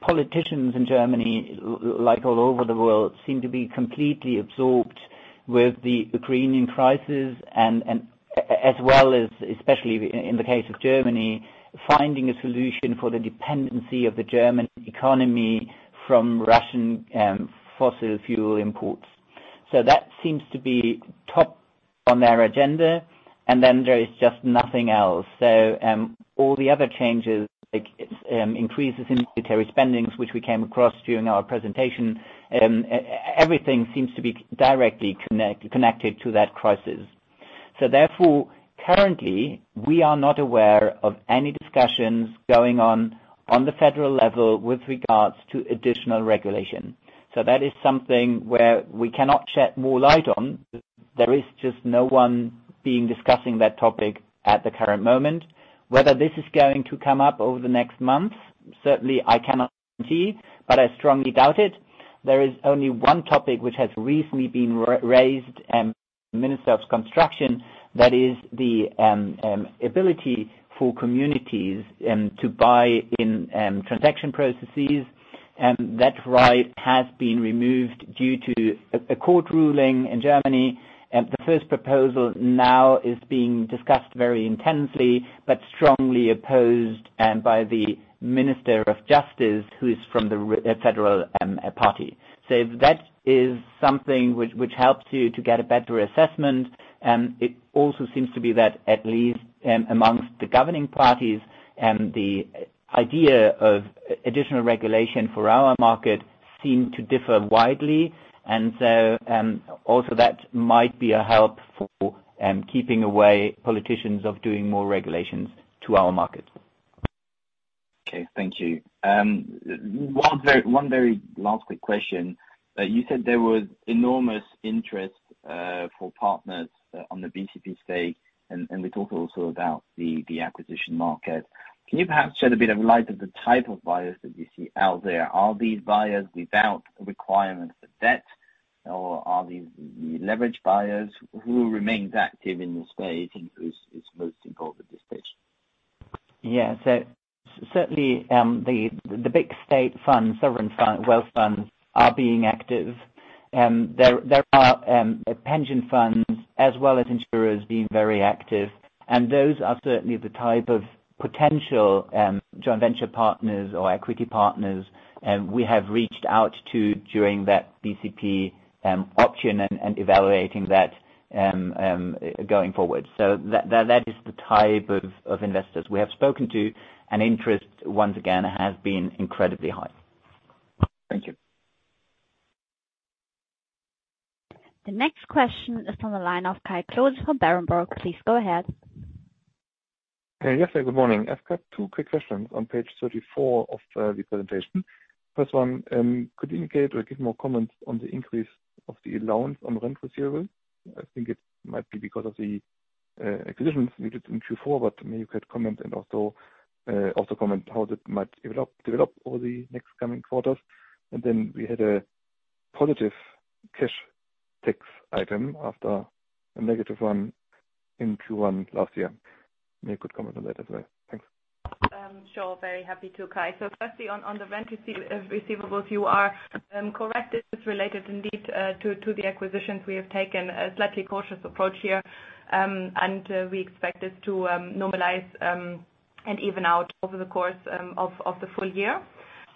politicians in Germany, like all over the world, seem to be completely absorbed with the Ukrainian crisis and as well as, especially in the case of Germany, finding a solution for the dependency of the German economy from Russian fossil fuel imports. That seems to be top of their agenda, and then there is just nothing else. All the other changes, like increases in military spending, which we came across during our presentation, everything seems to be directly connected to that crisis. Therefore, currently, we are not aware of any discussions going on the federal level with regards to additional regulation. That is something where we cannot shed more light on. There is just no one being discussing that topic at the current moment. Whether this is going to come up over the next months, certainly I cannot see, but I strongly doubt it. There is only one topic which has recently been raised, Minister of Construction. That is the ability for communities to buy in transaction processes. That right has been removed due to a court ruling in Germany. The first proposal now is being discussed very intensely, but strongly opposed by the Minister of Justice, who is from the federal party. That is something which helps you to get a better assessment. It also seems to be that at least among the governing parties, the idea of additional regulation for our market seem to differ widely. Also that might be a help for keeping away politicians of doing more regulations to our markets. Okay. Thank you. One very last quick question. You said there was enormous interest for partners on the BCP stake, and we talked also about the acquisition market. Can you perhaps shed a bit of light on the type of buyers that you see out there? Are these buyers without requirements for debt? Are these the leverage buyers who remains active in the space? Is most important at this stage. Yeah. Certainly, the big state funds, sovereign wealth funds are being active. There are pension funds as well as insurers being very active, and those are certainly the type of potential joint venture partners or equity partners we have reached out to during that BCP option and evaluating that going forward. That is the type of investors we have spoken to, and interest once again has been incredibly high. Thank you. The next question is from the line of Kai Klose from Berenberg. Please go ahead. Hey, yes. Good morning. I've got two quick questions on page 34 of the presentation. First one, could you indicate or give more comments on the increase of the allowance on rent receivables? I think it might be because of the acquisitions we did in Q4, but maybe you could comment and also comment how that might develop over the next coming quarters. We had a positive cash tax item after a negative one in Q1 last year. Maybe you could comment on that as well. Thanks. Sure. Very happy to, Kai. Firstly on the rent receivables, you are correct. It is related indeed to the acquisitions. We have taken a slightly cautious approach here, and we expect this to normalize and even out over the course of the full-year.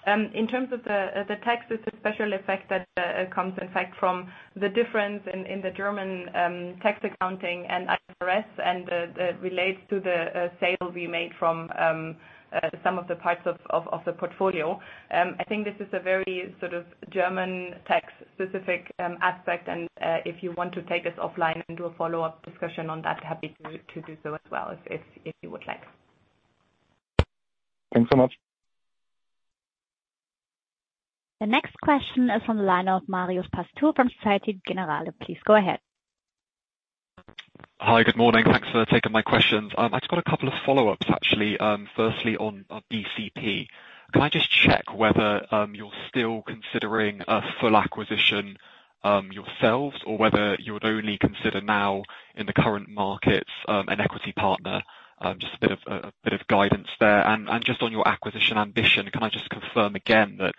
In terms of the tax, it's a special effect that comes in fact from the difference in the German tax accounting and IFRS and relates to the sale we made from some of the parts of the portfolio. I think this is a very sort of German tax specific aspect and, if you want to take this offline and do a follow-up discussion on that, happy to do so as well if you would like. Thanks so much. The next question is from the line of Marios Pastou from Société Générale. Please go ahead. Hi, good morning. Thanks for taking my questions. I just got a couple of follow-ups, actually. Firstly on BCP. Can I just check whether you're still considering a full acquisition yourselves or whether you would only consider now in the current markets an equity partner? Just a bit of guidance there. Just on your acquisition ambition, can I just confirm again that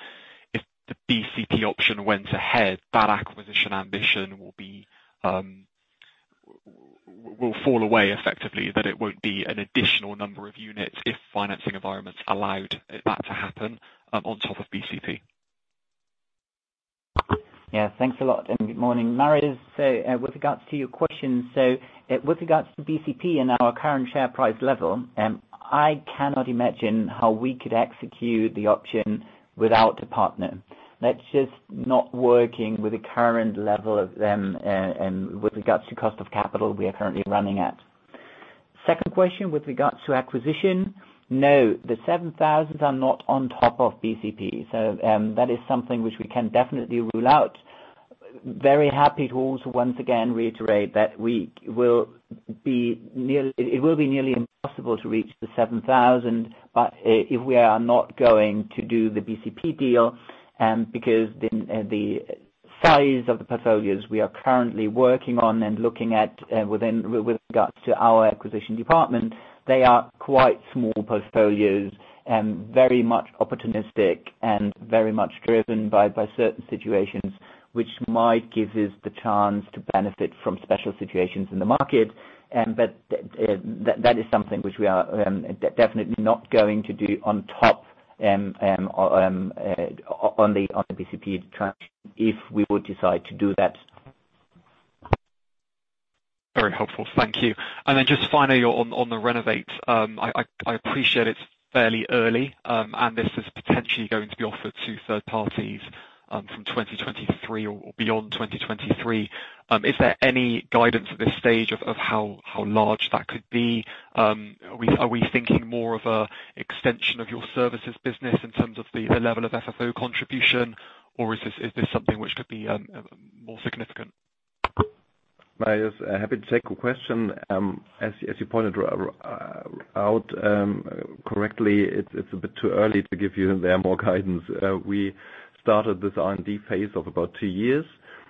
if the BCP option went ahead, that acquisition ambition will fall away effectively, that it won't be an additional number of units if financing environments allowed that to happen on top of BCP? Yeah. Thanks a lot and good morning. Marios, with regards to your question, with regards to BCP and our current share price level, I cannot imagine how we could execute the option without a partner. That's just not working with the current level, with regards to cost of capital we are currently running at. Second question with regards to acquisition. No, the 7,000 are not on top of BCP. That is something which we can definitely rule out. Very happy to also once again reiterate that we will be near. It will be nearly impossible to reach the 7,000, but if we are not going to do the BCP deal, because the size of the portfolios we are currently working on and looking at, within with regards to our acquisition department, they are quite small portfolios and very much opportunistic and very much driven by certain situations which might give us the chance to benefit from special situations in the market. That is something which we are definitely not going to do on top, on the BCP transaction if we would decide to do that. Very helpful. Thank you. Just finally on the Renowate, I appreciate it's fairly early, and this is potentially going to be offered to third parties, from 2023 or beyond 2023. Is there any guidance at this stage of how large that could be? Are we thinking more of a extension of your services business in terms of the level of FFO contribution, or is this something which could be more significant? Marios, happy to take your question. As you pointed out correctly, it's a bit too early to give you any more guidance. We started this R&D phase of about 2 years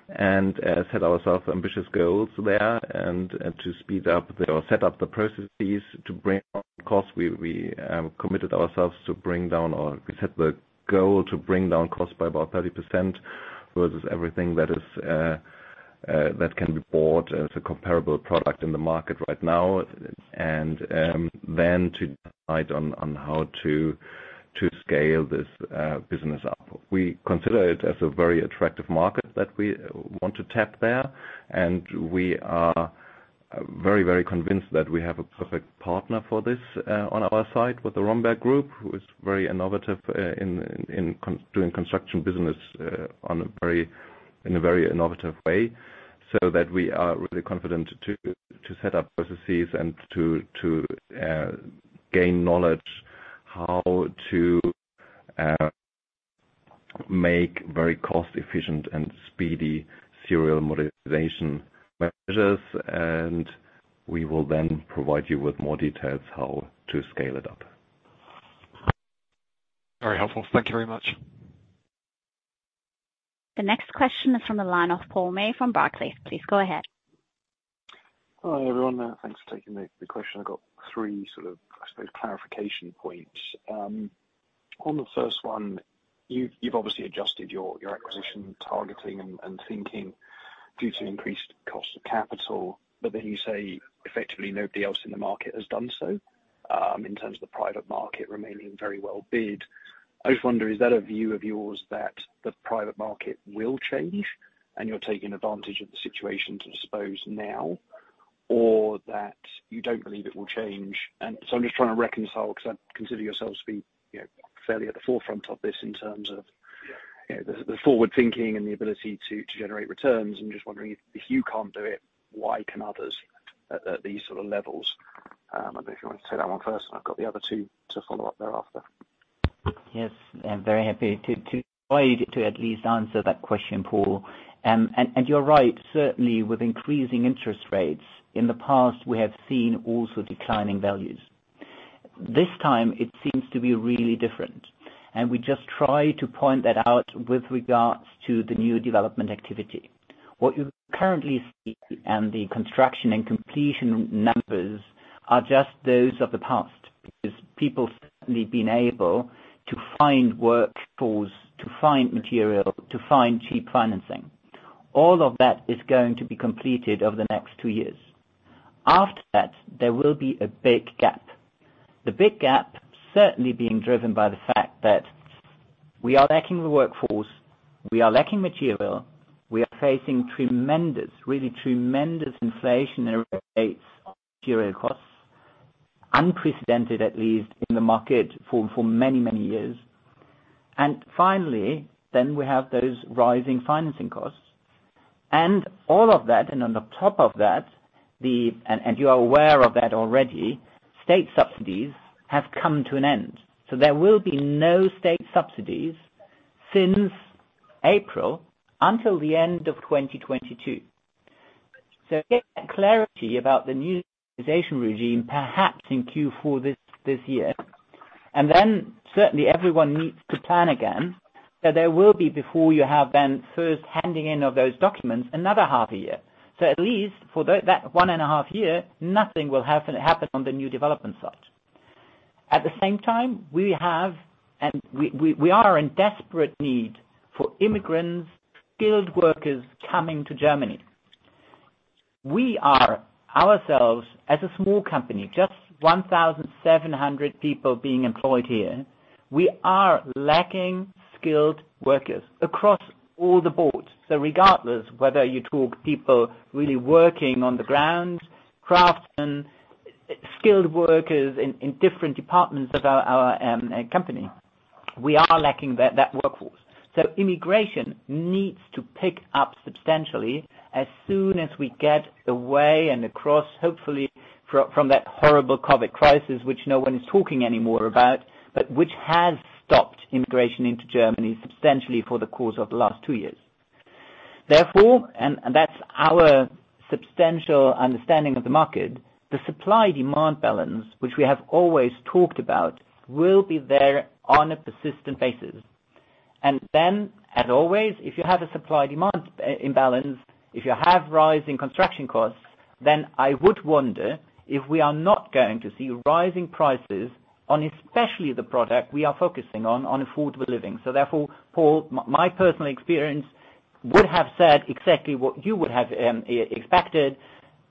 and set ourselves ambitious goals there and set up the processes to bring down costs. We committed ourselves to bring down, or we set the goal to bring down costs by about 30% versus everything that can be bought as a comparable product in the market right now. To decide on how to scale this business up. We consider it as a very attractive market that we want to tap there, and we are very, very convinced that we have a perfect partner for this on our side with the Rhomberg Group, who is very innovative in doing construction business in a very innovative way, so that we are really confident to gain knowledge how to make very cost efficient and speedy serial modernization measures. We will then provide you with more details how to scale it up. Very helpful. Thank you very much. The next question is from the line of Paul May from Barclays. Please go ahead. Hi, everyone. Thanks for taking the question. I've got three sort of, I suppose, clarification points. On the first one, you've obviously adjusted your acquisition targeting and thinking due to increased cost of capital, but then you say effectively nobody else in the market has done so, in terms of the private market remaining very well bid. I just wonder, is that a view of yours that the private market will change and you're taking advantage of the situation to dispose now, or that you don't believe it will change? I'm just trying to reconcile, 'cause I consider yourselves to be, you know, fairly at the forefront of this in terms of, you know, the forward thinking and the ability to generate returns. I'm just wondering if you can't do it, why can others at these sort of levels? If you want to take that one first, I've got the other two to follow up thereafter. Yes. I'm very happy to at least answer that question, Paul. You're right, certainly with increasing interest rates, in the past, we have seen also declining values. This time it seems to be really different, and we just try to point that out with regards to the new development activity. What you currently see and the construction and completion numbers are just those of the past, because people have certainly been able to find workforce, to find material, to find cheap financing. All of that is going to be completed over the next two years. After that, there will be a big gap. The big gap certainly being driven by the fact that we are lacking the workforce, we are lacking material, we are facing tremendous, really tremendous inflationary rates on material costs, unprecedented at least in the market for many, many years. Finally, then we have those rising financing costs. All of that, and on top of that, you are aware of that already. State subsidies have come to an end. There will be no state subsidies since April until the end of 2022. Get clarity about the new realization regime, perhaps in Q4 this year. Then certainly everyone needs to plan again, so there will be, before you have then first handing in of those documents, another half a year. At least for that one and a half year, nothing will happen on the new development site. At the same time, we are in desperate need for immigrants, skilled workers coming to Germany. We are ourselves as a small company, just 1,700 people being employed here. We are lacking skilled workers across all the boards. Regardless whether you talk people really working on the ground, craftsmen, skilled workers in different departments of our company, we are lacking that workforce. Immigration needs to pick up substantially as soon as we get the way and across, hopefully from that horrible COVID crisis, which no one is talking anymore about, but which has stopped immigration into Germany substantially for the course of the last two years. Therefore, that's our substantial understanding of the market, the supply-demand balance, which we have always talked about, will be there on a persistent basis. As always, if you have a supply-demand imbalance, if you have rising construction costs, then I would wonder if we are not going to see rising prices on especially the product we are focusing on affordable living. Therefore, Paul, my personal experience would have said exactly what you would have expected.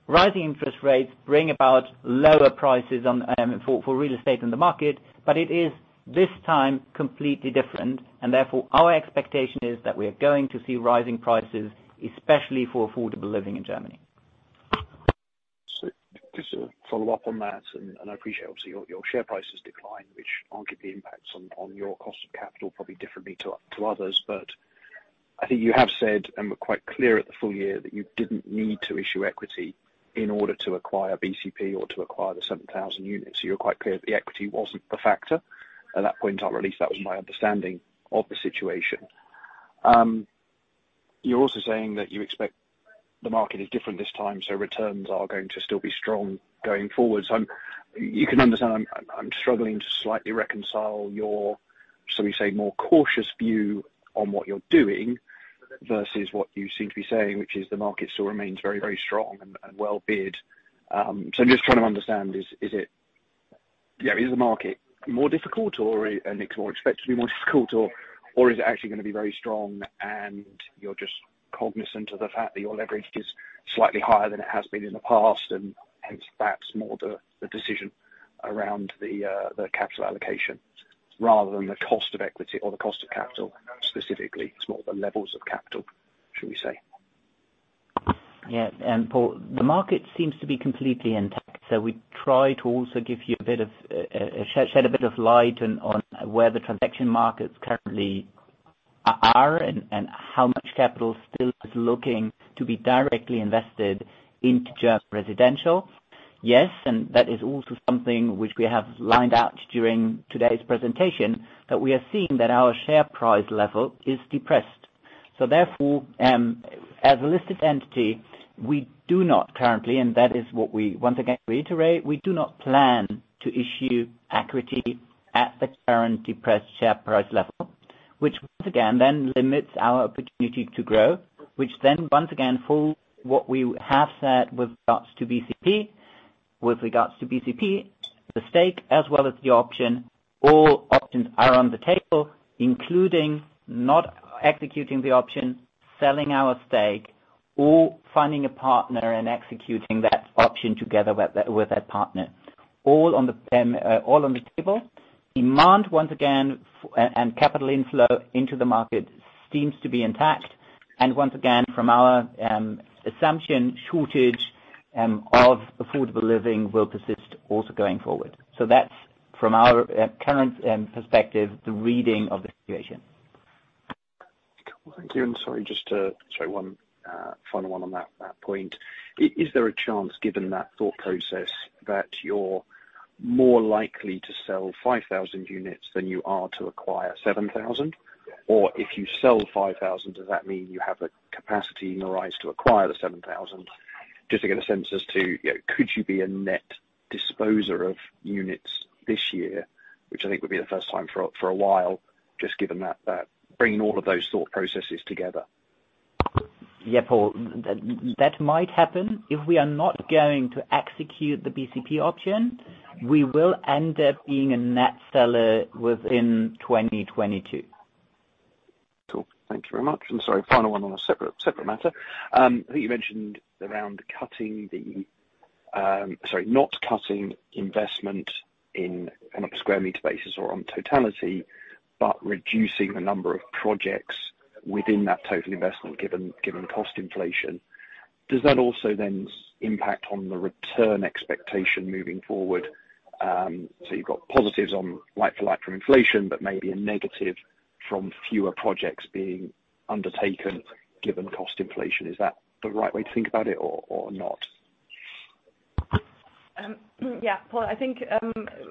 Rising interest rates bring about lower prices on for real estate in the market. It is this time completely different, and therefore, our expectation is that we are going to see rising prices, especially for affordable living in Germany. Just to follow up on that, and I appreciate obviously your share price has declined, which arguably impacts on your cost of capital probably differently to others. I think you have said, and were quite clear at the full-year, that you didn't need to issue equity in order to acquire BCP or to acquire the 7,000 units. You were quite clear that the equity wasn't a factor. At that point, or at least that was my understanding of the situation. You're also saying that you expect the market is different this time, so returns are going to still be strong going forward. I'm... You can understand I'm struggling to slightly reconcile your, shall we say, more cautious view on what you're doing versus what you seem to be saying, which is the market still remains very strong and well bid. I'm just trying to understand is the market more difficult or it's more expected to be more difficult or is it actually gonna be very strong and you're just cognizant of the fact that your leverage is slightly higher than it has been in the past and hence that's more the decision around the capital allocation rather than the cost of equity or the cost of capital specifically. It's more the levels of capital, should we say. Paul, the market seems to be completely intact, so we try to also shed a bit of light on where the transaction markets currently are and how much capital still is looking to be directly invested into German residential. That is also something which we have laid out during today's presentation, that we are seeing that our share price level is depressed. Therefore, as a listed entity, we do not currently, and that is what we once again reiterate, we do not plan to issue equity at the current depressed share price level, which once again then limits our opportunity to grow. Which then once again falls in line with what we have said with regards to BCP. With regards to BCP, the stake as well as the option, all options are on the table, including not executing the option, selling our stake or finding a partner and executing that option together with that partner. All on the table. Demand, once again, and capital inflow into the market seems to be intact, and once again from our assumed shortage of affordable living will persist also going forward. That's from our current perspective, the reading of the situation. Well, thank you. Sorry, one final one on that point. Is there a chance given that thought process that you're more likely to sell 5,000 units than you are to acquire 7,000? Or if you sell 5,000, does that mean you have the capacity and the appetite to acquire the 7,000? Just to get a sense as to, you know, could you be a net disposer of units this year, which I think would be the first time for a while, just given that bringing all of those thought processes together. Yeah, Paul. That might happen. If we are not going to execute the BCP option, we will end up being a net seller within 2022. Cool. Thank you very much. Sorry, final one on a separate matter. I think you mentioned not cutting investment in, on a square meter basis or on totality, but reducing the number of projects within that total investment given cost inflation. Does that also then impact on the return expectation moving forward? You've got positives on like for like from inflation, but maybe a negative from fewer projects being undertaken given cost inflation. Is that the right way to think about it or not? Yeah, Paul, I think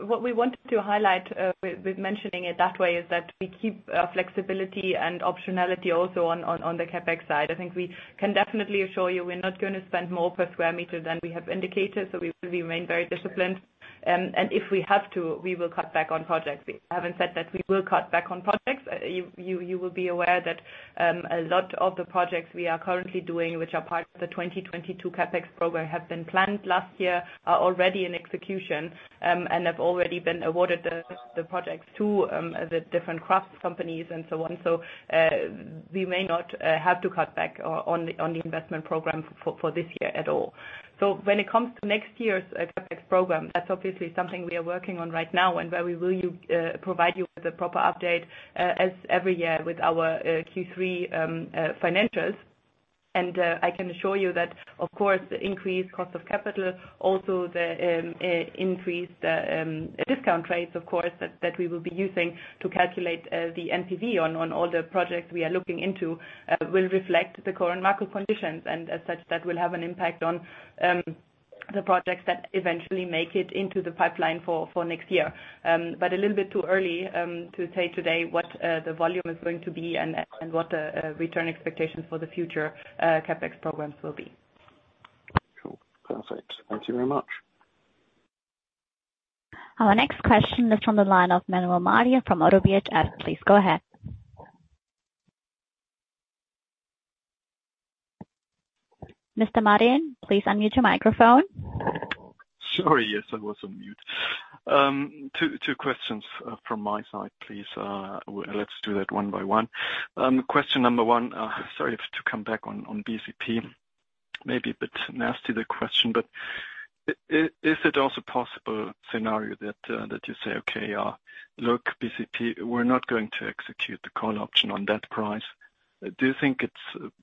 what we wanted to highlight with mentioning it that way is that we keep flexibility and optionality also on the CapEx side. I think we can definitely assure you we're not gonna spend more per square meter than we have indicated, so we will remain very disciplined. If we have to, we will cut back on projects. We haven't said that we will cut back on projects. You will be aware that a lot of the projects we are currently doing, which are part of the 2022 CapEx program, have been planned last year, are already in execution, and have already been awarded the projects to the different craft companies and so on. We may not have to cut back on the investment program for this year at all. When it comes to next year's CapEx program, that's obviously something we are working on right now and where we will provide you with a proper update as every year with our Q3 financials. I can assure you that of course, the increased cost of capital, also the increased discount rates of course that we will be using to calculate the NPV on all the projects we are looking into will reflect the current market conditions. As such, that will have an impact on the projects that eventually make it into the pipeline for next year. A little bit too early to say today what the volume is going to be and what the return expectation for the future CapEx programs will be. Cool. Perfect. Thank you very much. Our next question is from the line of Manuel Martin from ODDO BHF. Please go ahead. Mr. Martin, please unmute your microphone. Sorry. Yes, I was on mute. Two questions from my side, please. Let's do that one by one. Question number one, sorry, to come back on BCP. Maybe a bit nasty, the question, but is it also a possible scenario that you say, "Okay, look, BCP, we're not going to execute the call option on that price." Do you think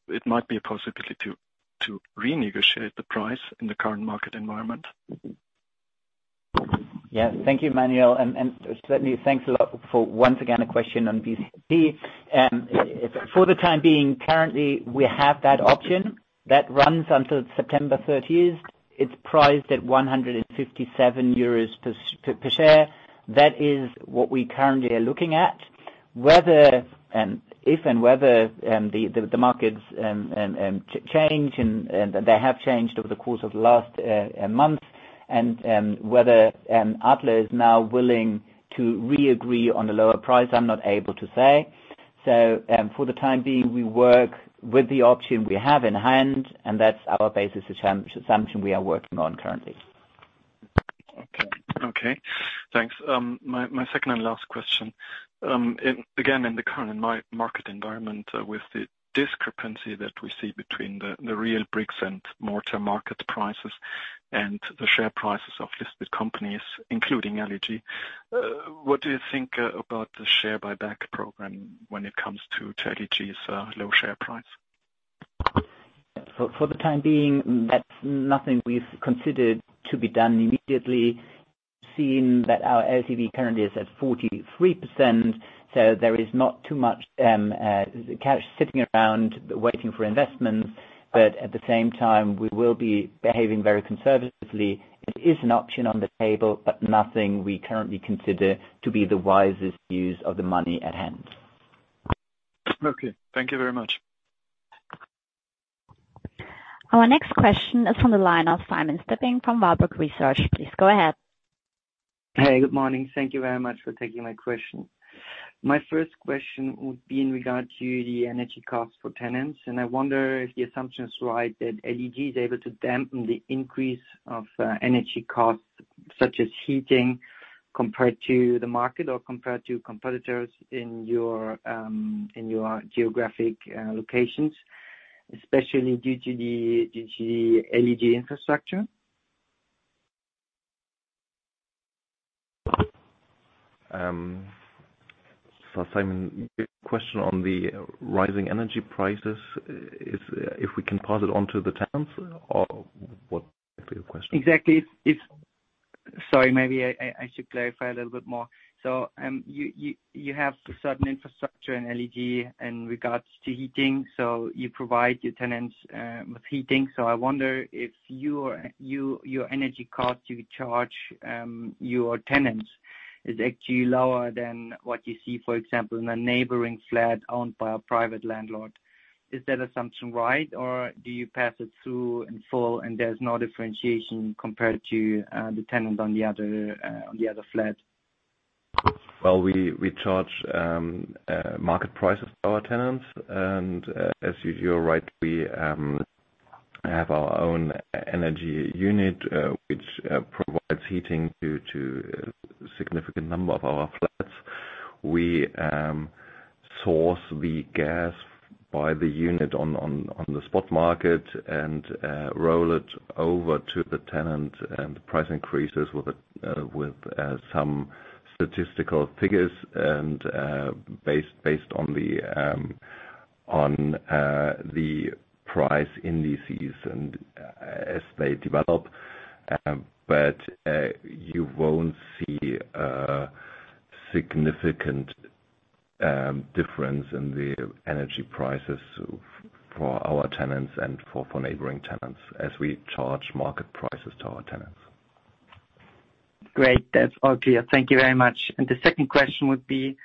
it might be a possibility to renegotiate the price in the current market environment? Yeah. Thank you, Manuel. Certainly thanks a lot for, once again, a question on BCP. For the time being, currently, we have that option that runs until September thirtieth. It's priced at 157 euros per share. That is what we currently are looking at. Whether if and whether the markets change and they have changed over the course of the last month and whether Adler is now willing to re-agree on a lower price, I'm not able to say. For the time being, we work with the option we have in hand, and that's our basis assumption we are working on currently. Thanks. My second and last question. Again, in the current market environment, with the discrepancy that we see between the real bricks-and-mortar market prices and the share prices of listed companies, including LEG, what do you think about the share buyback program when it comes to LEG's low share price? For the time being, that's nothing we've considered to be done immediately, seeing that our LTV currently is at 43%, so there is not too much cash sitting around waiting for investments. At the same time, we will be behaving very conservatively. It is an option on the table, but nothing we currently consider to be the wisest use of the money at hand. Okay. Thank you very much. Our next question is from the line of Simon Stippig from Warburg Research. Please go ahead. Hey, good morning. Thank you very much for taking my question. My first question would be in regard to the energy costs for tenants, and I wonder if the assumption is right that LEG is able to dampen the increase of energy costs, such as heating compared to the market or compared to competitors in your geographic locations, especially due to the LEG infrastructure? Simon, your question on the rising energy prices is, if we can pass it on to the tenants, or what's your question? Exactly. Sorry, maybe I should clarify a little bit more. You have a certain infrastructure in LEG in regards to heating, so you provide your tenants with heating. I wonder if your energy costs you charge your tenants is actually lower than what you see, for example, in a neighboring flat owned by a private landlord. Is that assumption right, or do you pass it through in full and there's no differentiation compared to the tenant on the other flat? Well, we charge market price to our tenants, and as you're right, we have our own energy unit, which provides heating to a significant number of our flats. We source the gas via the unit on the spot market and roll it over to the tenant, and the price increases with some statistical figures and based on the price indices as they develop. You won't see a significant difference in the energy prices for our tenants and for neighboring tenants, as we charge market prices to our tenants. Great. That's all clear. Thank you very much. The second question would be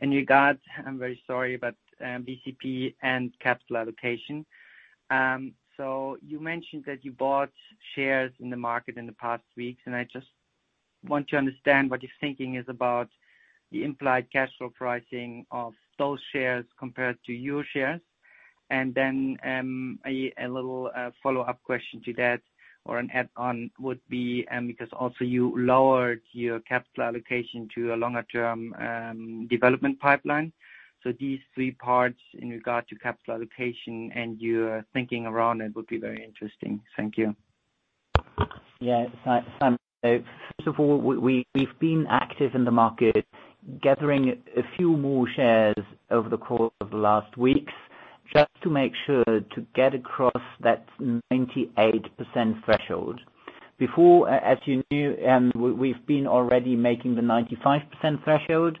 in regard, I'm very sorry, but, BCP and capital allocation. So you mentioned that you bought shares in the market in the past weeks, and I just want to understand what your thinking is about the implied cash flow pricing of those shares compared to your shares. Then, a little follow-up question to that or an add-on would be, because also you lowered your capital allocation to a longer-term development pipeline. These three parts in regard to capital allocation and your thinking around it would be very interesting. Thank you. Yeah. Simon, first of all, we’ve been active in the market, gathering a few more shares over the course of the last weeks, just to make sure to get across that 98% threshold. Before, as you knew, we’ve been already making the 95% threshold.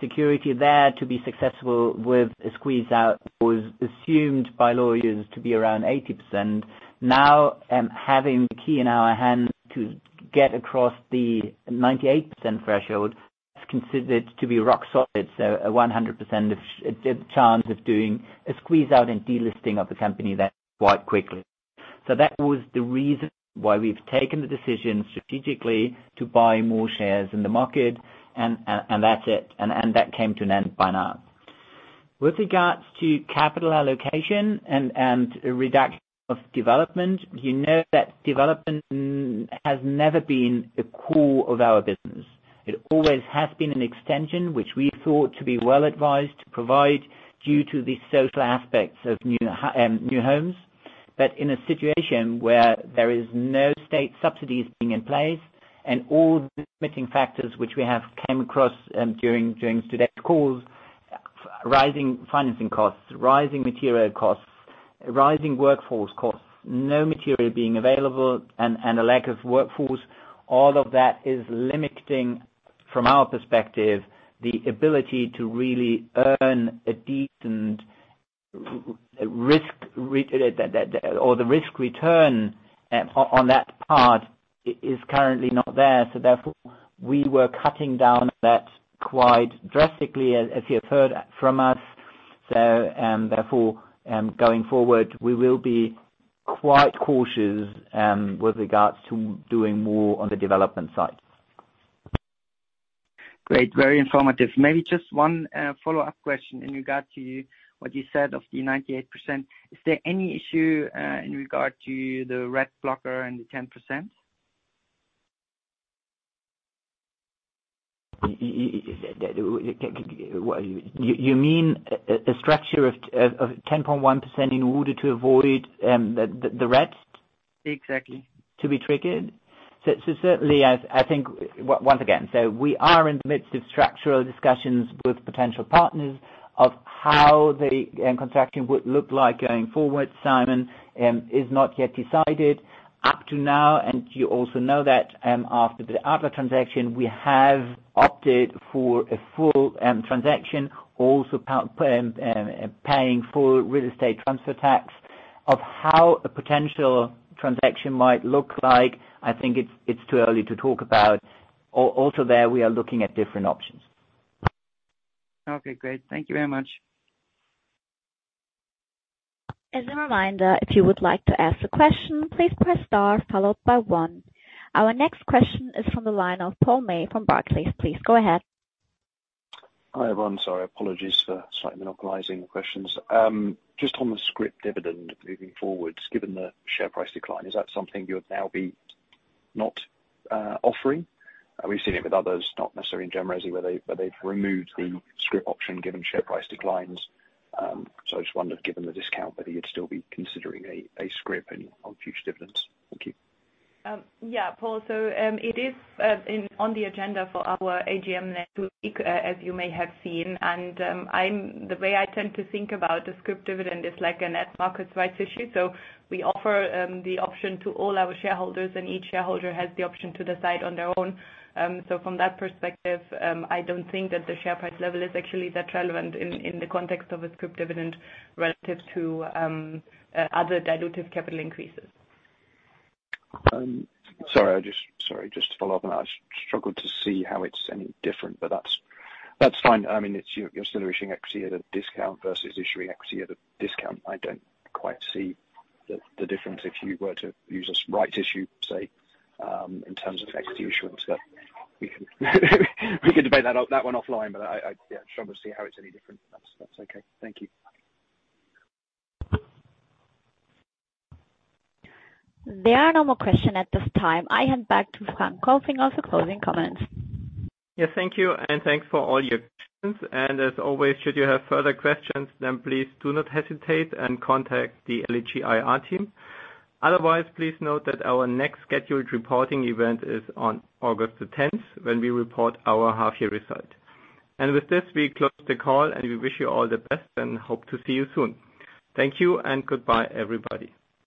Security there to be successful with a squeeze out was assumed by lawyers to be around 80%. Now, having the key in our hand to get across the 98% threshold is considered to be rock solid, a 100% chance of doing a squeeze out and delisting of the company then quite quickly. That was the reason why we’ve taken the decision strategically to buy more shares in the market, and that’s it, and that came to an end by now. With regards to capital allocation and reduction of development, you know that development has never been the core of our business. It always has been an extension which we thought to be well advised to provide due to the social aspects of new homes. In a situation where there is no state subsidies being in place and all limiting factors which we have came across during today's calls, rising financing costs, rising material costs, rising workforce costs, no material being available and a lack of workforce, all of that is limiting, from our perspective, the ability to really earn a decent risk return on that part is currently not there. Therefore, we were cutting down on that quite drastically, as you have heard from us. Going forward, we will be quite cautious with regards to doing more on the development side. Great. Very informative. Maybe just one follow-up question in regard to what you said of the 98%. Is there any issue in regard to the RETT blocker and the 10%? You, that well, you mean a structure of 10.1% in order to avoid the RETT? Exactly. To be triggered? Certainly I think once again, we are in the midst of structural discussions with potential partners of how the contraction would look like going forward, Simon, is not yet decided. Up to now, you also know that, after the Adler transaction, we have opted for a full transaction, also paying full real estate transfer tax. Of how a potential transaction might look like, I think it's too early to talk about. Also there we are looking at different options. Okay, great. Thank you very much. As a reminder, if you would like to ask a question, please press star followed by one. Our next question is from the line of Paul May from Barclays. Please go ahead. Hi, everyone. Sorry, apologies for slightly monopolizing the questions. Just on the scrip dividend moving forwards, given the share price decline, is that something you would now be not offering? We've seen it with others, not necessarily in gen resi, where they've removed the scrip option given share price declines. I just wondered, given the discount, whether you'd still be considering a scrip on future dividends. Thank you. Yeah, Paul, it is on the agenda for our AGM next week, as you may have seen, and the way I tend to think about the scrip dividend is like an at-the-market rights issue. We offer the option to all our shareholders, and each shareholder has the option to decide on their own. From that perspective, I don't think that the share price level is actually that relevant in the context of a scrip dividend relative to other dilutive capital increases. Sorry, just to follow up on that. I struggle to see how it's any different, but that's fine. I mean, you're still issuing equity at a discount versus issuing equity at a discount. I don't quite see the difference if you were to use a rights issue, say, in terms of equity issuance, but we can debate that one offline. I yeah, struggle to see how it's any different from that's okay. Thank you. There are no more questions at this time. I hand back to Frank Kopfinger for some closing comments. Yes, thank you, and thanks for all your questions. As always, should you have further questions, then please do not hesitate and contact the LEG IR team. Otherwise, please note that our next scheduled reporting event is on August the tenth, when we report our half year result. With this, we close the call, and we wish you all the best and hope to see you soon. Thank you and goodbye, everybody.